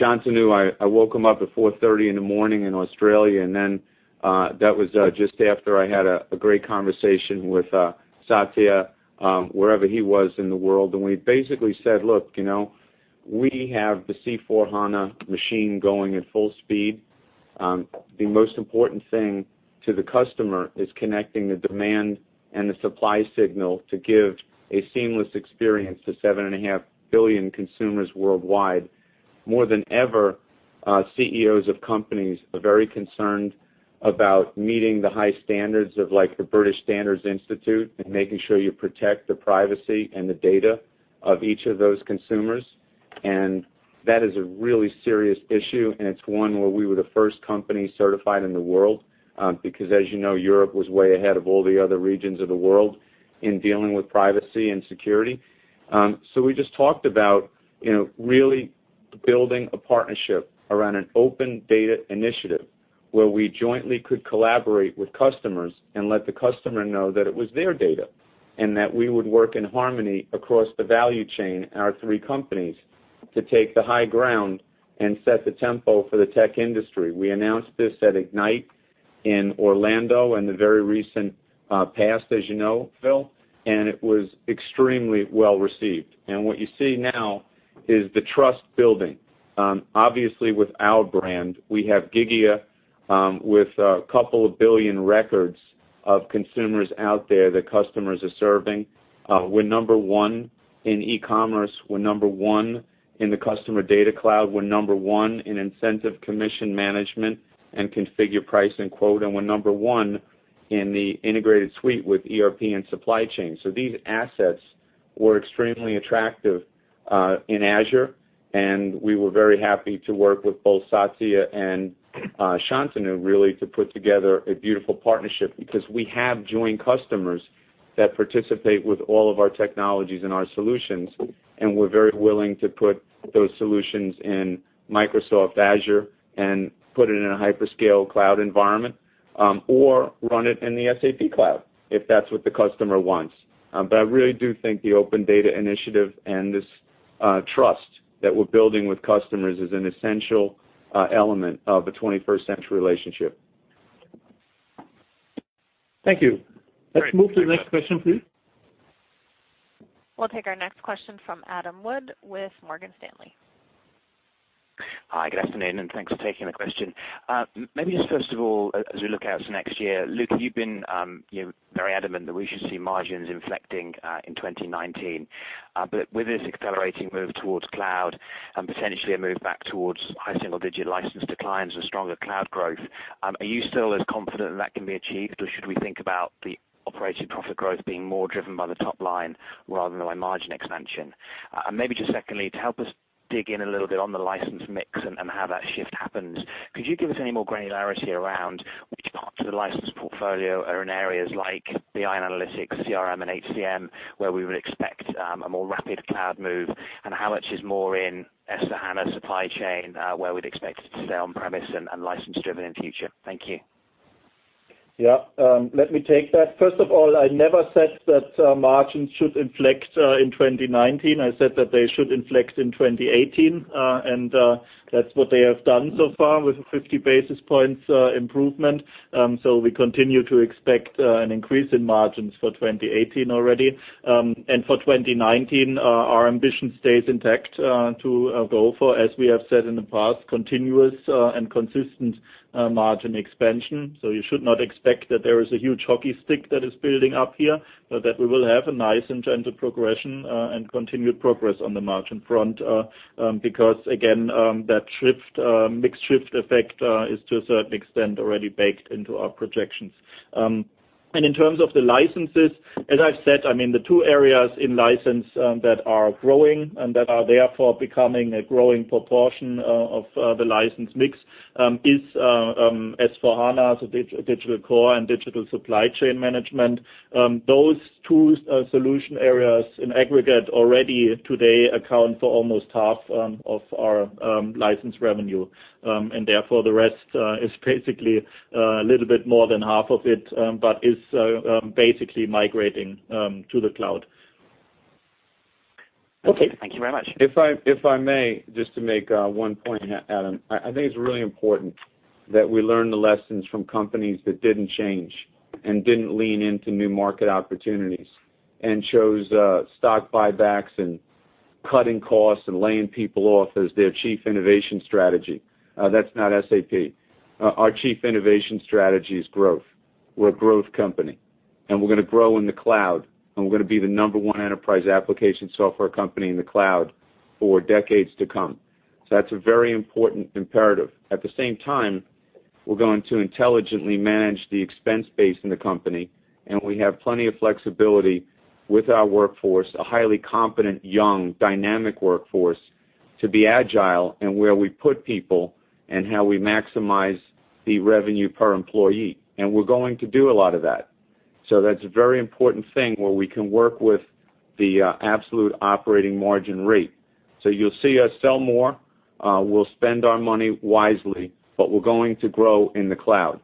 Shantanu. I woke him up at 4:30 A.M. in Australia. That was just after I had a great conversation with Satya, wherever he was in the world. We basically said, "Look, we have the C/4HANA machine going at full speed. The most important thing to the customer is connecting the demand and the supply signal to give a seamless experience to seven and a half billion consumers worldwide." More than ever, CEOs of companies are very concerned about meeting the high standards of the British Standards Institution and making sure you protect the privacy and the data of each of those consumers. That is a really serious issue, and it's one where we were the first company certified in the world. As you know, Europe was way ahead of all the other regions of the world in dealing with privacy and security. We just talked about really building a partnership around an Open Data Initiative where we jointly could collaborate with customers and let the customer know that it was their data, and that we would work in harmony across the value chain, our three companies, to take the high ground and set the tempo for the tech industry. We announced this at Ignite in Orlando in the very recent past, as you know, Phil. It was extremely well received. What you see now is the trust building. Obviously, with our brand, we have Gigya with a couple of billion records of consumers out there that customers are serving. We're number one in e-commerce. We're number one in the customer data cloud. We're number one in incentive commission management and configure price and quote. We're number one in the integrated suite with ERP and supply chain. These assets were extremely attractive in Azure. We were very happy to work with both Satya and Shantanu really to put together a beautiful partnership because we have joint customers that participate with all of our technologies and our solutions. We're very willing to put those solutions in Microsoft Azure and put it in a hyperscale cloud environment, or run it in the SAP cloud if that's what the customer wants. I really do think the Open Data Initiative and this trust that we're building with customers is an essential element of a 21st century relationship. Thank you. Great. Thanks, Sas. Let's move to the next question, please. We'll take our next question from Adam Wood with Morgan Stanley. Hi, good afternoon, and thanks for taking the question. Maybe just first of all, as we look out to next year, Luka, you've been very adamant that we should see margins inflecting in 2019. With this accelerating move towards cloud and potentially a move back towards high single-digit license declines or stronger cloud growth, are you still as confident that that can be achieved, or should we think about the operating profit growth being more driven by the top line rather than by margin expansion? Maybe just secondly, to help us dig in a little bit on the license mix and how that shift happens, could you give us any more granularity around which parts of the license portfolio are in areas like BI analytics, CRM, and HCM, where we would expect a more rapid cloud move, and how much is more in S/4HANA supply chain, where we'd expect it to stay on-premise and license-driven in future? Thank you. Yeah. Let me take that. First of all, I never said that margins should inflect in 2019. I said that they should inflect in 2018. That's what they have done so far with a 50 basis points improvement. We continue to expect an increase in margins for 2018 already. For 2019, our ambition stays intact to go for, as we have said in the past, continuous and consistent margin expansion. You should not expect that there is a huge hockey stick that is building up here, but that we will have a nice and gentle progression and continued progress on the margin front. Because again, that mix shift effect is to a certain extent already baked into our projections. In terms of the licenses, as I've said, the two areas in license that are growing and that are therefore becoming a growing proportion of the license mix is S/4HANA, so digital core and digital supply chain management. Those two solution areas in aggregate already today account for almost half of our license revenue. Therefore, the rest is basically a little bit more than half of it, but is basically migrating to the cloud. Okay. Thank you very much. If I may, just to make one point, Adam, I think it's really important that we learn the lessons from companies that didn't change and didn't lean into new market opportunities and chose stock buybacks and cutting costs and laying people off as their chief innovation strategy. That's not SAP. Our chief innovation strategy is growth. We're a growth company, and we're going to grow in the cloud, and we're going to be the number one enterprise application software company in the cloud for decades to come. That's a very important imperative. At the same time, we're going to intelligently manage the expense base in the company, and we have plenty of flexibility with our workforce, a highly competent, young, dynamic workforce, to be agile in where we put people and how we maximize the revenue per employee. We're going to do a lot of that. That's a very important thing where we can work with the absolute operating margin rate. You'll see us sell more. We'll spend our money wisely, but we're going to grow in the cloud.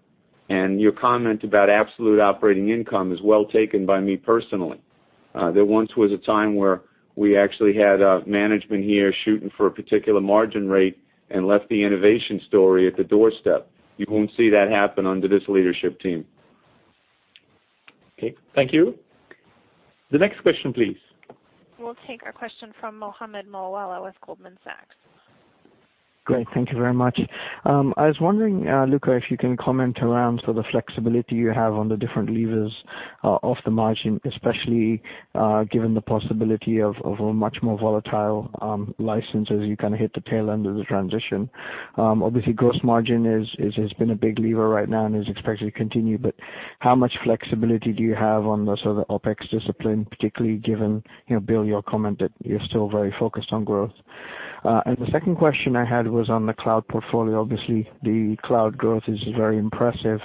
Your comment about absolute operating income is well taken by me personally. There once was a time where we actually had management here shooting for a particular margin rate and left the innovation story at the doorstep. You won't see that happen under this leadership team. Okay. Thank you. The next question, please. We'll take a question from Mohammed Moawalla with Goldman Sachs. Great. Thank you very much. I was wondering, Luka, if you can comment around the flexibility you have on the different levers of the margin, especially given the possibility of a much more volatile license as you hit the tail end of the transition. Obviously, gross margin has been a big lever right now and is expected to continue, but how much flexibility do you have on the sort of OpEx discipline, particularly given, Bill, your comment that you're still very focused on growth? The second question I had was on the cloud portfolio. Obviously, the cloud growth is very impressive.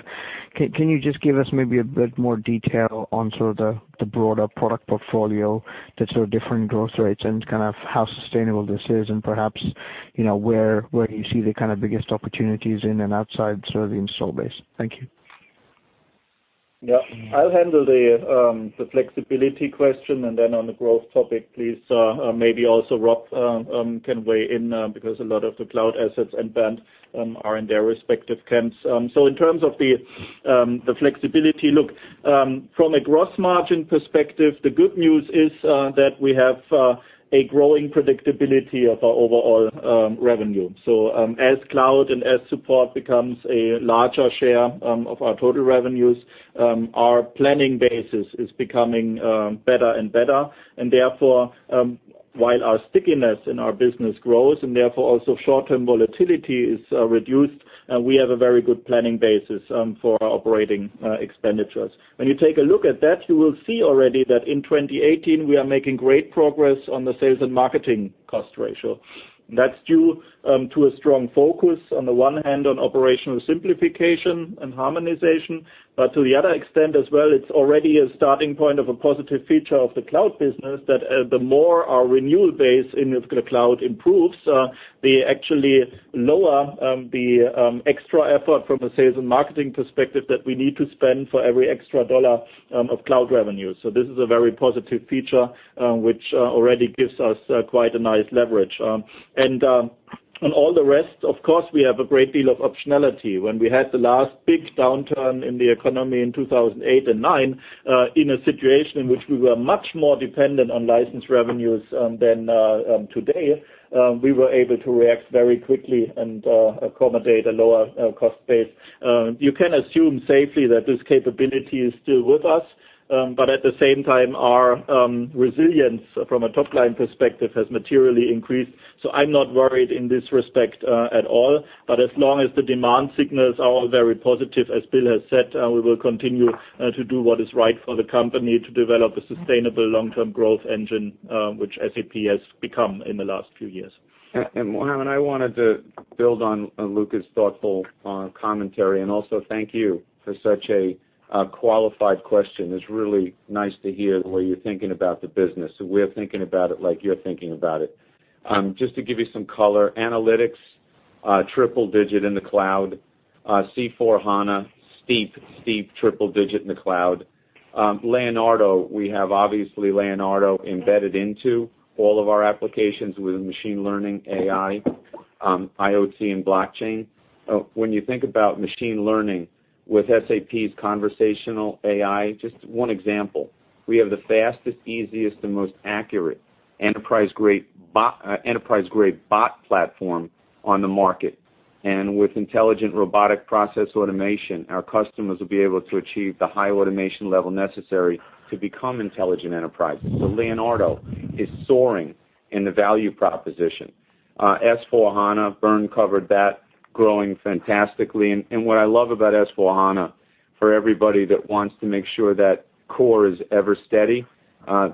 Can you just give us maybe a bit more detail on sort of the broader product portfolio that sort of different growth rates and kind of how sustainable this is and perhaps, where you see the kind of biggest opportunities in and outside sort of the install base? Thank you. Yeah. I'll handle the flexibility question, and then on the growth topic, please maybe also Rob can weigh in because a lot of the cloud assets and Bernd are in their respective camps. In terms of the flexibility, look, from a gross margin perspective, the good news is that we have a growing predictability of our overall revenue. As cloud and as support becomes a larger share of our total revenues, our planning basis is becoming better and better. Therefore, while our stickiness in our business grows, and therefore also short-term volatility is reduced, we have a very good planning basis for our operating expenditures. When you take a look at that, you will see already that in 2018, we are making great progress on the sales and marketing cost ratio. That's due to a strong focus on the one hand on operational simplification and harmonization. To the other extent as well, it's already a starting point of a positive feature of the cloud business, that the more our renewal base in the cloud improves, we actually lower the extra effort from a sales and marketing perspective that we need to spend for every extra dollar of cloud revenue. This is a very positive feature, which already gives us quite a nice leverage. On all the rest, of course, we have a great deal of optionality. When we had the last big downturn in the economy in 2008 and 2009, in a situation in which we were much more dependent on licensed revenues than today, we were able to react very quickly and accommodate a lower cost base. You can assume safely that this capability is still with us, but at the same time, our resilience from a top-line perspective has materially increased. I'm not worried in this respect at all. But as long as the demand signals are all very positive, as Bill has said, we will continue to do what is right for the company to develop a sustainable long-term growth engine, which SAP has become in the last few years. Mohammed, I wanted to build on Luka's thoughtful commentary, and also thank you for such a qualified question. It's really nice to hear the way you're thinking about the business, and we're thinking about it like you're thinking about it. Just to give you some color, analytics, triple digit in the cloud. C/4HANA, steep triple digit in the cloud. Leonardo, we have obviously Leonardo embedded into all of our applications with machine learning, AI, IoT, and blockchain. When you think about machine learning with SAP's conversational AI, just one example. We have the fastest, easiest, and most accurate enterprise-grade bot platform on the market. With intelligent robotic process automation, our customers will be able to achieve the high automation level necessary to become intelligent enterprises. Leonardo is soaring in the value proposition. S/4HANA, Bernd covered that, growing fantastically. What I love about S/4HANA, for everybody that wants to make sure that core is ever steady,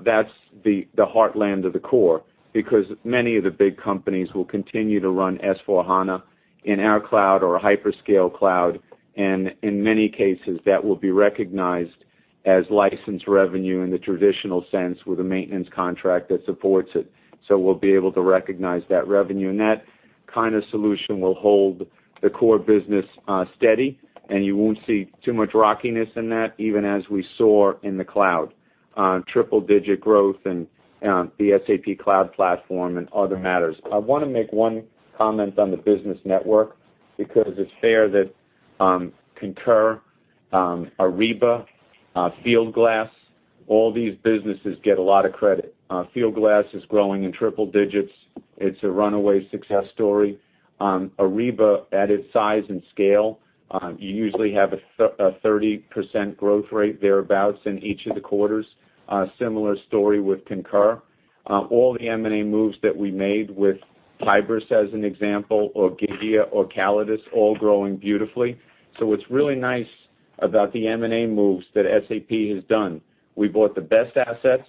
that's the heartland of the core. Because many of the big companies will continue to run S/4HANA in our cloud or a hyperscale cloud, and in many cases, that will be recognized as licensed revenue in the traditional sense with a maintenance contract that supports it. We'll be able to recognize that revenue. That kind of solution will hold the core business steady, and you won't see too much rockiness in that, even as we soar in the cloud. Triple digit growth and the SAP cloud platform and other matters. I want to make one comment on the business network, because it's fair that Concur, Ariba, Fieldglass, all these businesses get a lot of credit. Fieldglass is growing in triple digits. It's a runaway success story. Ariba, at its size and scale, you usually have a 30% growth rate thereabouts in each of the quarters. Similar story with Concur. All the M&A moves that we made with Hybris, as an example, or Gigya or Callidus, all growing beautifully. What's really nice about the M&A moves that SAP has done, we bought the best assets,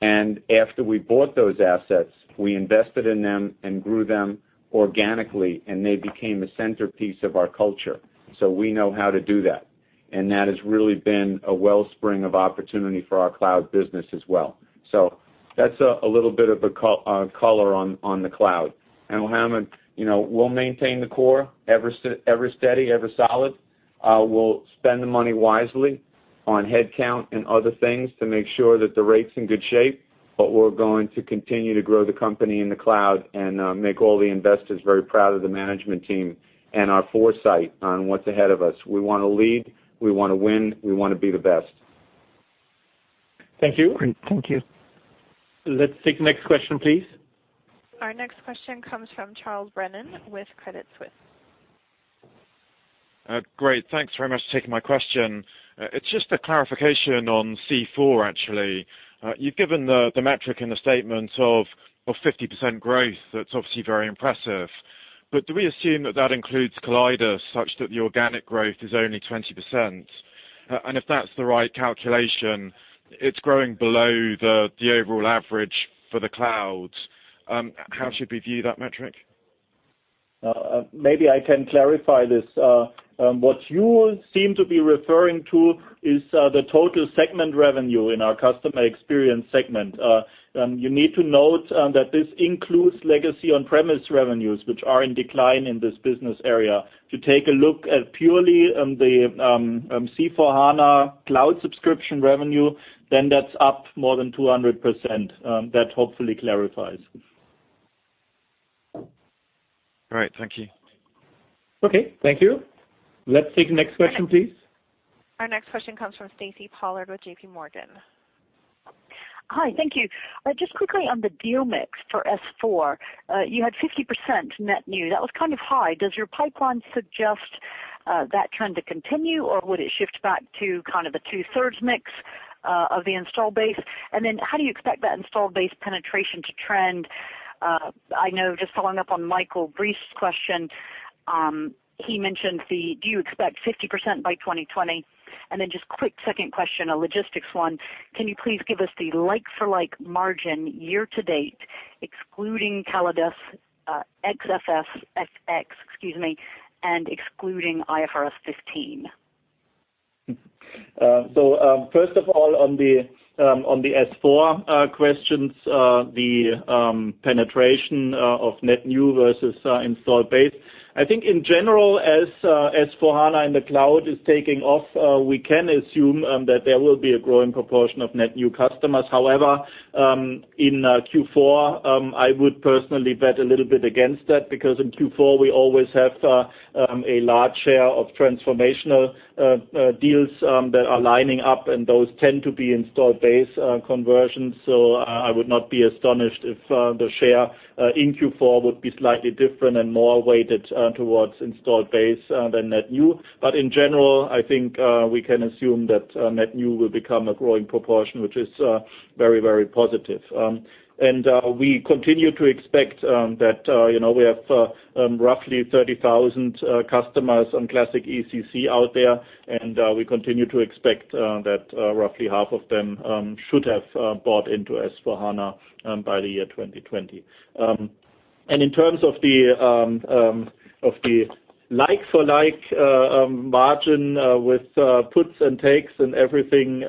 and after we bought those assets, we invested in them and grew them organically, and they became a centerpiece of our culture. We know how to do that. That has really been a wellspring of opportunity for our cloud business as well. That's a little bit of a color on the cloud. Mohammed, we'll maintain the core, ever steady, ever solid. We'll spend the money wisely on headcount and other things to make sure that the rate's in good shape, but we're going to continue to grow the company in the cloud and make all the investors very proud of the management team and our foresight on what's ahead of us. We want to lead, we want to win, we want to be the best. Thank you. Great. Thank you. Let's take the next question, please. Our next question comes from Charles Brennan with Credit Suisse. Great. Thanks very much for taking my question. It's just a clarification on C/4, actually. You've given the metric and the statement of 50% growth, that's obviously very impressive. Do we assume that that includes Callidus, such that the organic growth is only 20%? If that's the right calculation, it's growing below the overall average for the cloud. How should we view that metric? Maybe I can clarify this. What you seem to be referring to is the total segment revenue in our customer experience segment. You need to note that this includes legacy on-premise revenues, which are in decline in this business area. To take a look at purely the C/4HANA cloud subscription revenue, then that's up more than 200%. That hopefully clarifies. All right. Thank you. Okay. Thank you. Let's take the next question, please. Our next question comes from Stacy Pollard with J.P. Morgan. Hi. Thank you. Just quickly on the deal mix for S/4, you had 50% net new. That was kind of high. Does your pipeline suggest that trend to continue, or would it shift back to a two-thirds mix of the install base? Then how do you expect that install base penetration to trend? I know, just following up on Michael Briest's question, he mentioned the, do you expect 50% by 2020? Then just quick second question, a logistics one. Can you please give us the like-for-like margin year to date, excluding Callidus, FX, excuse me, and excluding IFRS 15? first of all, on the S/4 questions, the penetration of net new versus install base. I think in general, as S/4HANA in the cloud is taking off, we can assume that there will be a growing proportion of net new customers. However, in Q4, I would personally bet a little bit against that, because in Q4 we always have a large share of transformational deals that are lining up, and those tend to be install base conversions. I would not be astonished if the share in Q4 would be slightly different and more weighted towards install base than net new. in general, I think we can assume that net new will become a growing proportion, which is very positive. we continue to expect that we have roughly 30,000 customers on classic ECC out there, and we continue to expect that roughly half of them should have bought into S/4HANA by the year 2020. In terms of the like-for-like margin with puts and takes and everything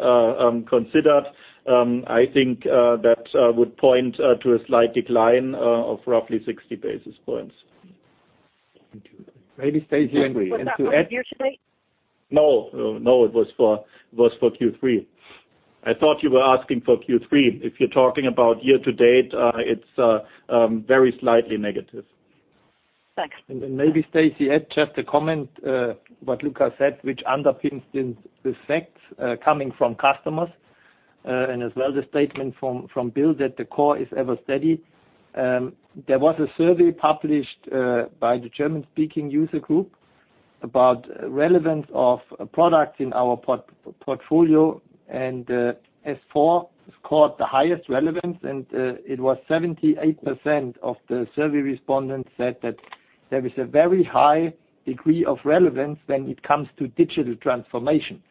considered, I think that would point to a slight decline of roughly 60 basis points. Maybe Stacy- Was that for year to date? No, it was for Q3. I thought you were asking for Q3. If you're talking about year to date, it's very slightly negative. Thanks. Maybe Stacy, add just a comment, what Luka said, which underpins this fact coming from customers, and as well the statement from Bill that the core is ever steady. There was a survey published by the German-speaking user group about relevance of products in our portfolio, and S/4 scored the highest relevance, and it was 78% of the survey respondents said that there is a very high degree of relevance when it comes to digital transformation.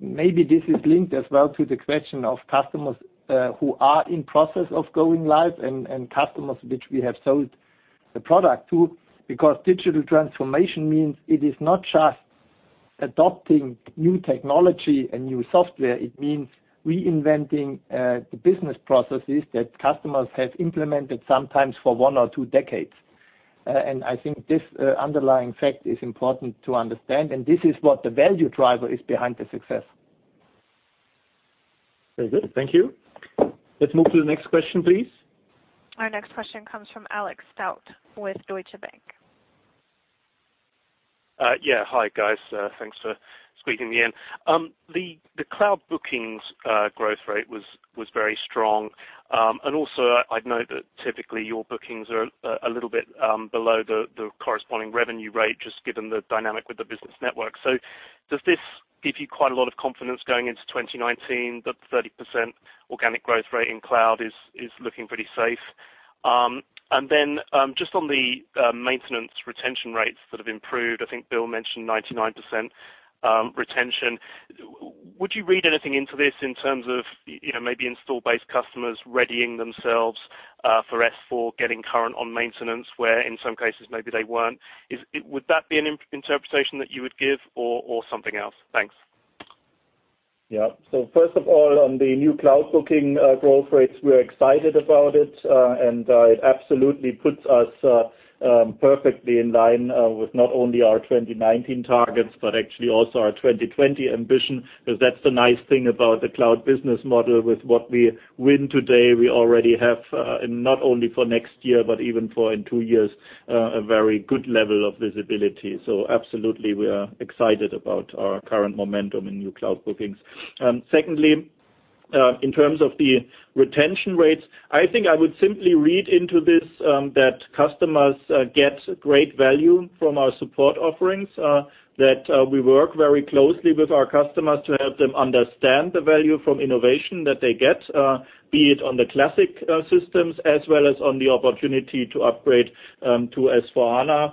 Maybe this is linked as well to the question of customers who are in process of going live and customers which we have sold the product to, because digital transformation means it is not just adopting new technology and new software. It means reinventing the business processes that customers have implemented sometimes for one or two decades. I think this underlying fact is important to understand, and this is what the value driver is behind the success. Very good. Thank you. Let's move to the next question, please. Our next question comes from Alex Tout with Deutsche Bank. Yeah. Hi, guys. Thanks for squeezing me in. The cloud bookings growth rate was very strong. Also, I know that typically your bookings are a little bit below the corresponding revenue rate, just given the dynamic with the business network. Does this give you quite a lot of confidence going into 2019 that the 30% organic growth rate in cloud is looking pretty safe? Just on the maintenance retention rates that have improved, I think Bill mentioned 99% retention. Would you read anything into this in terms of maybe install base customers readying themselves for S/4 getting current on maintenance, where in some cases maybe they weren't? Would that be an interpretation that you would give or something else? Thanks. Yeah. First of all, on the new cloud booking growth rates, we're excited about it, and it absolutely puts us perfectly in line with not only our 2019 targets, but actually also our 2020 ambition, because that's the nice thing about the cloud business model with what we win today, we already have, and not only for next year, but even for in two years, a very good level of visibility. Absolutely, we are excited about our current momentum in new cloud bookings. Secondly, in terms of the retention rates, I think I would simply read into this that customers get great value from our support offerings, that we work very closely with our customers to help them understand the value from innovation that they get, be it on the classic systems as well as on the opportunity to upgrade to S/4HANA.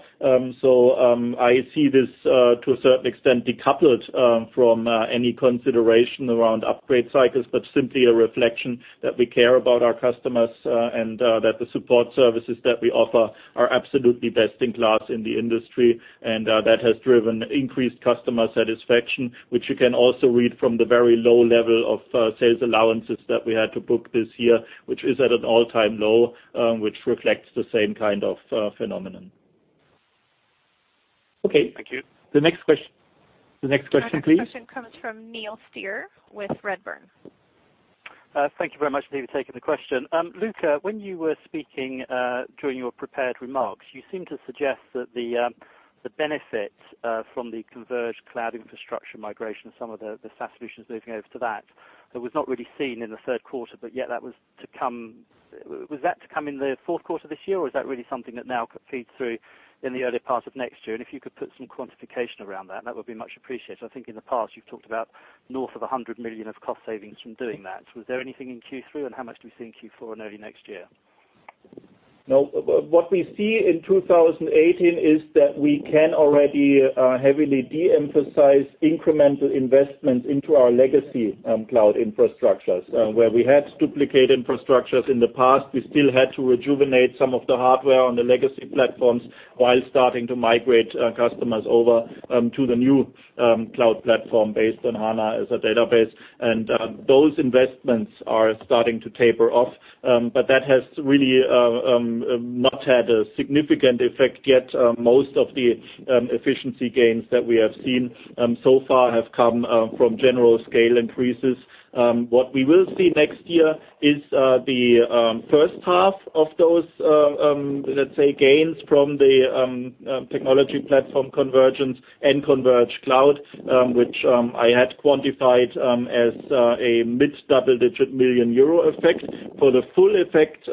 I see this to a certain extent decoupled from any consideration around upgrade cycles, but simply a reflection that we care about our customers, and that the support services that we offer are absolutely best in class in the industry. That has driven increased customer satisfaction, which you can also read from the very low level of sales allowances that we had to book this year, which is at an all-time low, which reflects the same kind of phenomenon. Okay. Thank you. The next question, please. Our next question comes from Neil Steer with Redburn. Thank you very much for taking the question. Luka, when you were speaking during your prepared remarks, you seemed to suggest that the benefits from the converged cloud infrastructure migration, some of the SaaS solutions moving over to that was not really seen in the third quarter, but yet that was to come. Was that to come in the fourth quarter of this year, or is that really something that now could feed through in the earlier part of next year? If you could put some quantification around that would be much appreciated. I think in the past you've talked about north of 100 million of cost savings from doing that. Was there anything in Q3, and how much do we see in Q4 and early next year? No. What we see in 2018 is that we can already heavily de-emphasize incremental investment into our legacy cloud infrastructures. Where we had duplicate infrastructures in the past, we still had to rejuvenate some of the hardware on the legacy platforms while starting to migrate customers over to the new cloud platform based on HANA as a database. Those investments are starting to taper off. That has really not had a significant effect yet. Most of the efficiency gains that we have seen so far have come from general scale increases. What we will see next year is the first half of those, let's say, gains from the technology platform convergence and converged cloud, which I had quantified as a mid double-digit million EUR effect. For the full effect,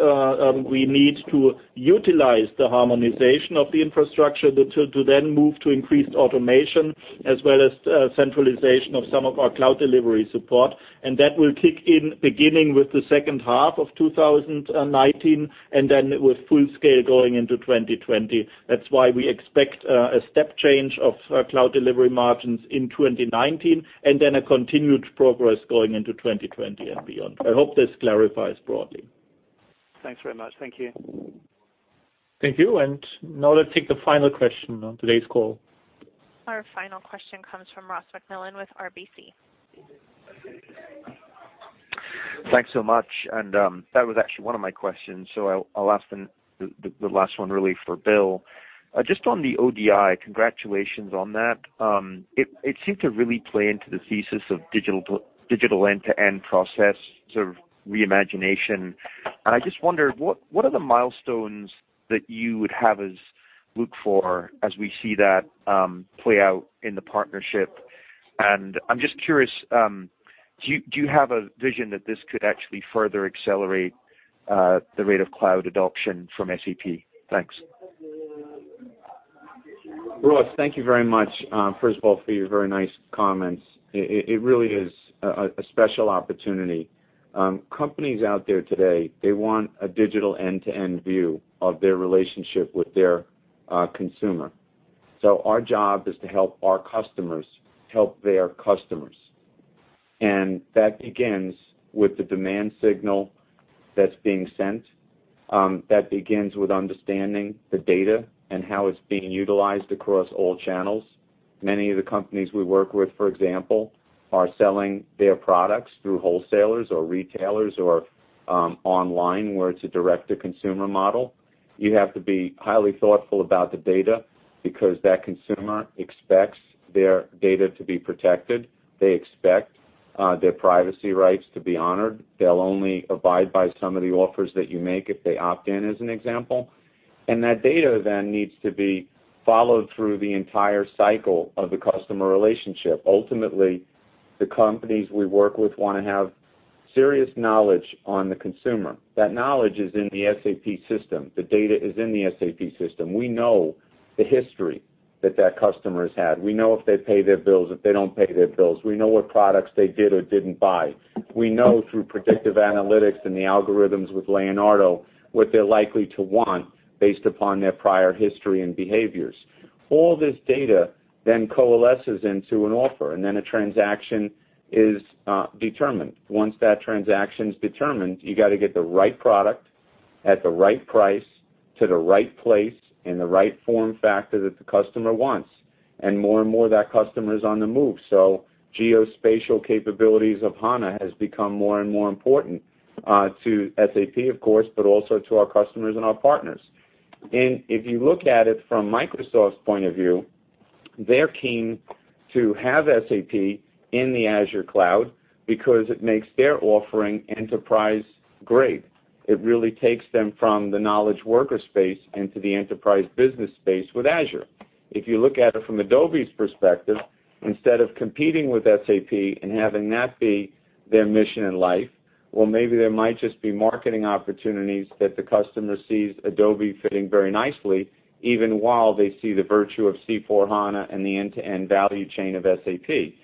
we need to utilize the harmonization of the infrastructure to then move to increased automation as well as centralization of some of our cloud delivery support. That will kick in beginning with the second half of 2019, and then with full scale going into 2020. That's why we expect a step change of cloud delivery margins in 2019, and then a continued progress going into 2020 and beyond. I hope this clarifies broadly. Thanks very much. Thank you. Thank you. Now let's take the final question on today's call. Our final question comes from Ross MacMillan with RBC. Thanks so much. That was actually one of my questions, so I'll ask the last one really for Bill. Just on the ODI, congratulations on that. It seemed to really play into the thesis of digital end-to-end process, sort of reimagination. I just wondered, what are the milestones that you would have us look for as we see that play out in the partnership? I'm just curious, do you have a vision that this could actually further accelerate the rate of cloud adoption from SAP? Thanks. Ross, thank you very much, first of all, for your very nice comments. It really is a special opportunity. Companies out there today, they want a digital end-to-end view of their relationship with their consumer. Our job is to help our customers help their customers. That begins with the demand signal that's being sent. That begins with understanding the data and how it's being utilized across all channels. Many of the companies we work with, for example, are selling their products through wholesalers or retailers or online, where it's a direct-to-consumer model. You have to be highly thoughtful about the data because that consumer expects their data to be protected. They expect their privacy rights to be honored. They'll only abide by some of the offers that you make if they opt in, as an example. That data then needs to be followed through the entire cycle of the customer relationship. Ultimately, the companies we work with want to have serious knowledge on the consumer. That knowledge is in the SAP system. The data is in the SAP system. We know the history that that customer has had. We know if they pay their bills, if they don't pay their bills. We know what products they did or didn't buy. We know through predictive analytics and the algorithms with Leonardo what they're likely to want based upon their prior history and behaviors. All this data then coalesces into an offer, and then a transaction is determined. Once that transaction is determined, you got to get the right product at the right price to the right place in the right form factor that the customer wants. More and more, that customer is on the move. Geospatial capabilities of HANA has become more and more important to SAP, of course, but also to our customers and our partners. If you look at it from Microsoft's point of view, they're keen to have SAP in the Azure cloud because it makes their offering enterprise-grade. It really takes them from the knowledge worker space into the enterprise business space with Azure. If you look at it from Adobe's perspective, instead of competing with SAP and having that be their mission in life, well, maybe there might just be marketing opportunities that the customer sees Adobe fitting very nicely, even while they see the virtue of C/4HANA and the end-to-end value chain of SAP.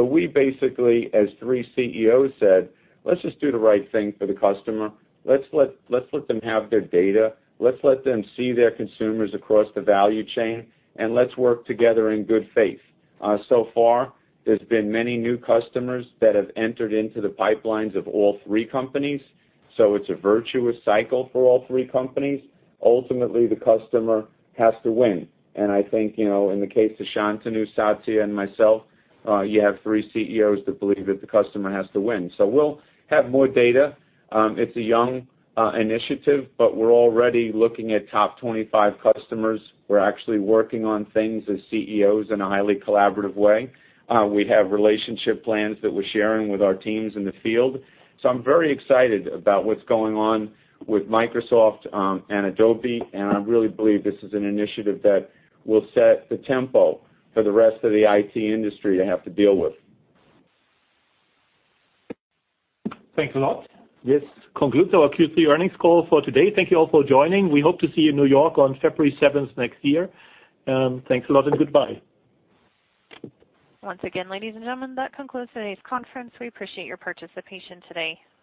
We basically, as three CEOs said, "Let's just do the right thing for the customer. Let's let them have their data. Let's let them see their consumers across the value chain, and let's work together in good faith." far, there's been many new customers that have entered into the pipelines of all three companies. It's a virtuous cycle for all three companies. Ultimately, the customer has to win. I think, in the case of Shantanu, Satya, and myself, you have three CEOs that believe that the customer has to win. We'll have more data. It's a young initiative, and we're already looking at top 25 customers. We're actually working on things as CEOs in a highly collaborative way. We have relationship plans that we're sharing with our teams in the field. I'm very excited about what's going on with Microsoft and Adobe, and I really believe this is an initiative that will set the tempo for the rest of the IT industry to have to deal with. Thanks a lot. This concludes our Q3 earnings call for today. Thank you all for joining. We hope to see you in New York on February 7th next year. Thanks a lot and goodbye. Once again, ladies and gentlemen, that concludes today's conference. We appreciate your participation today.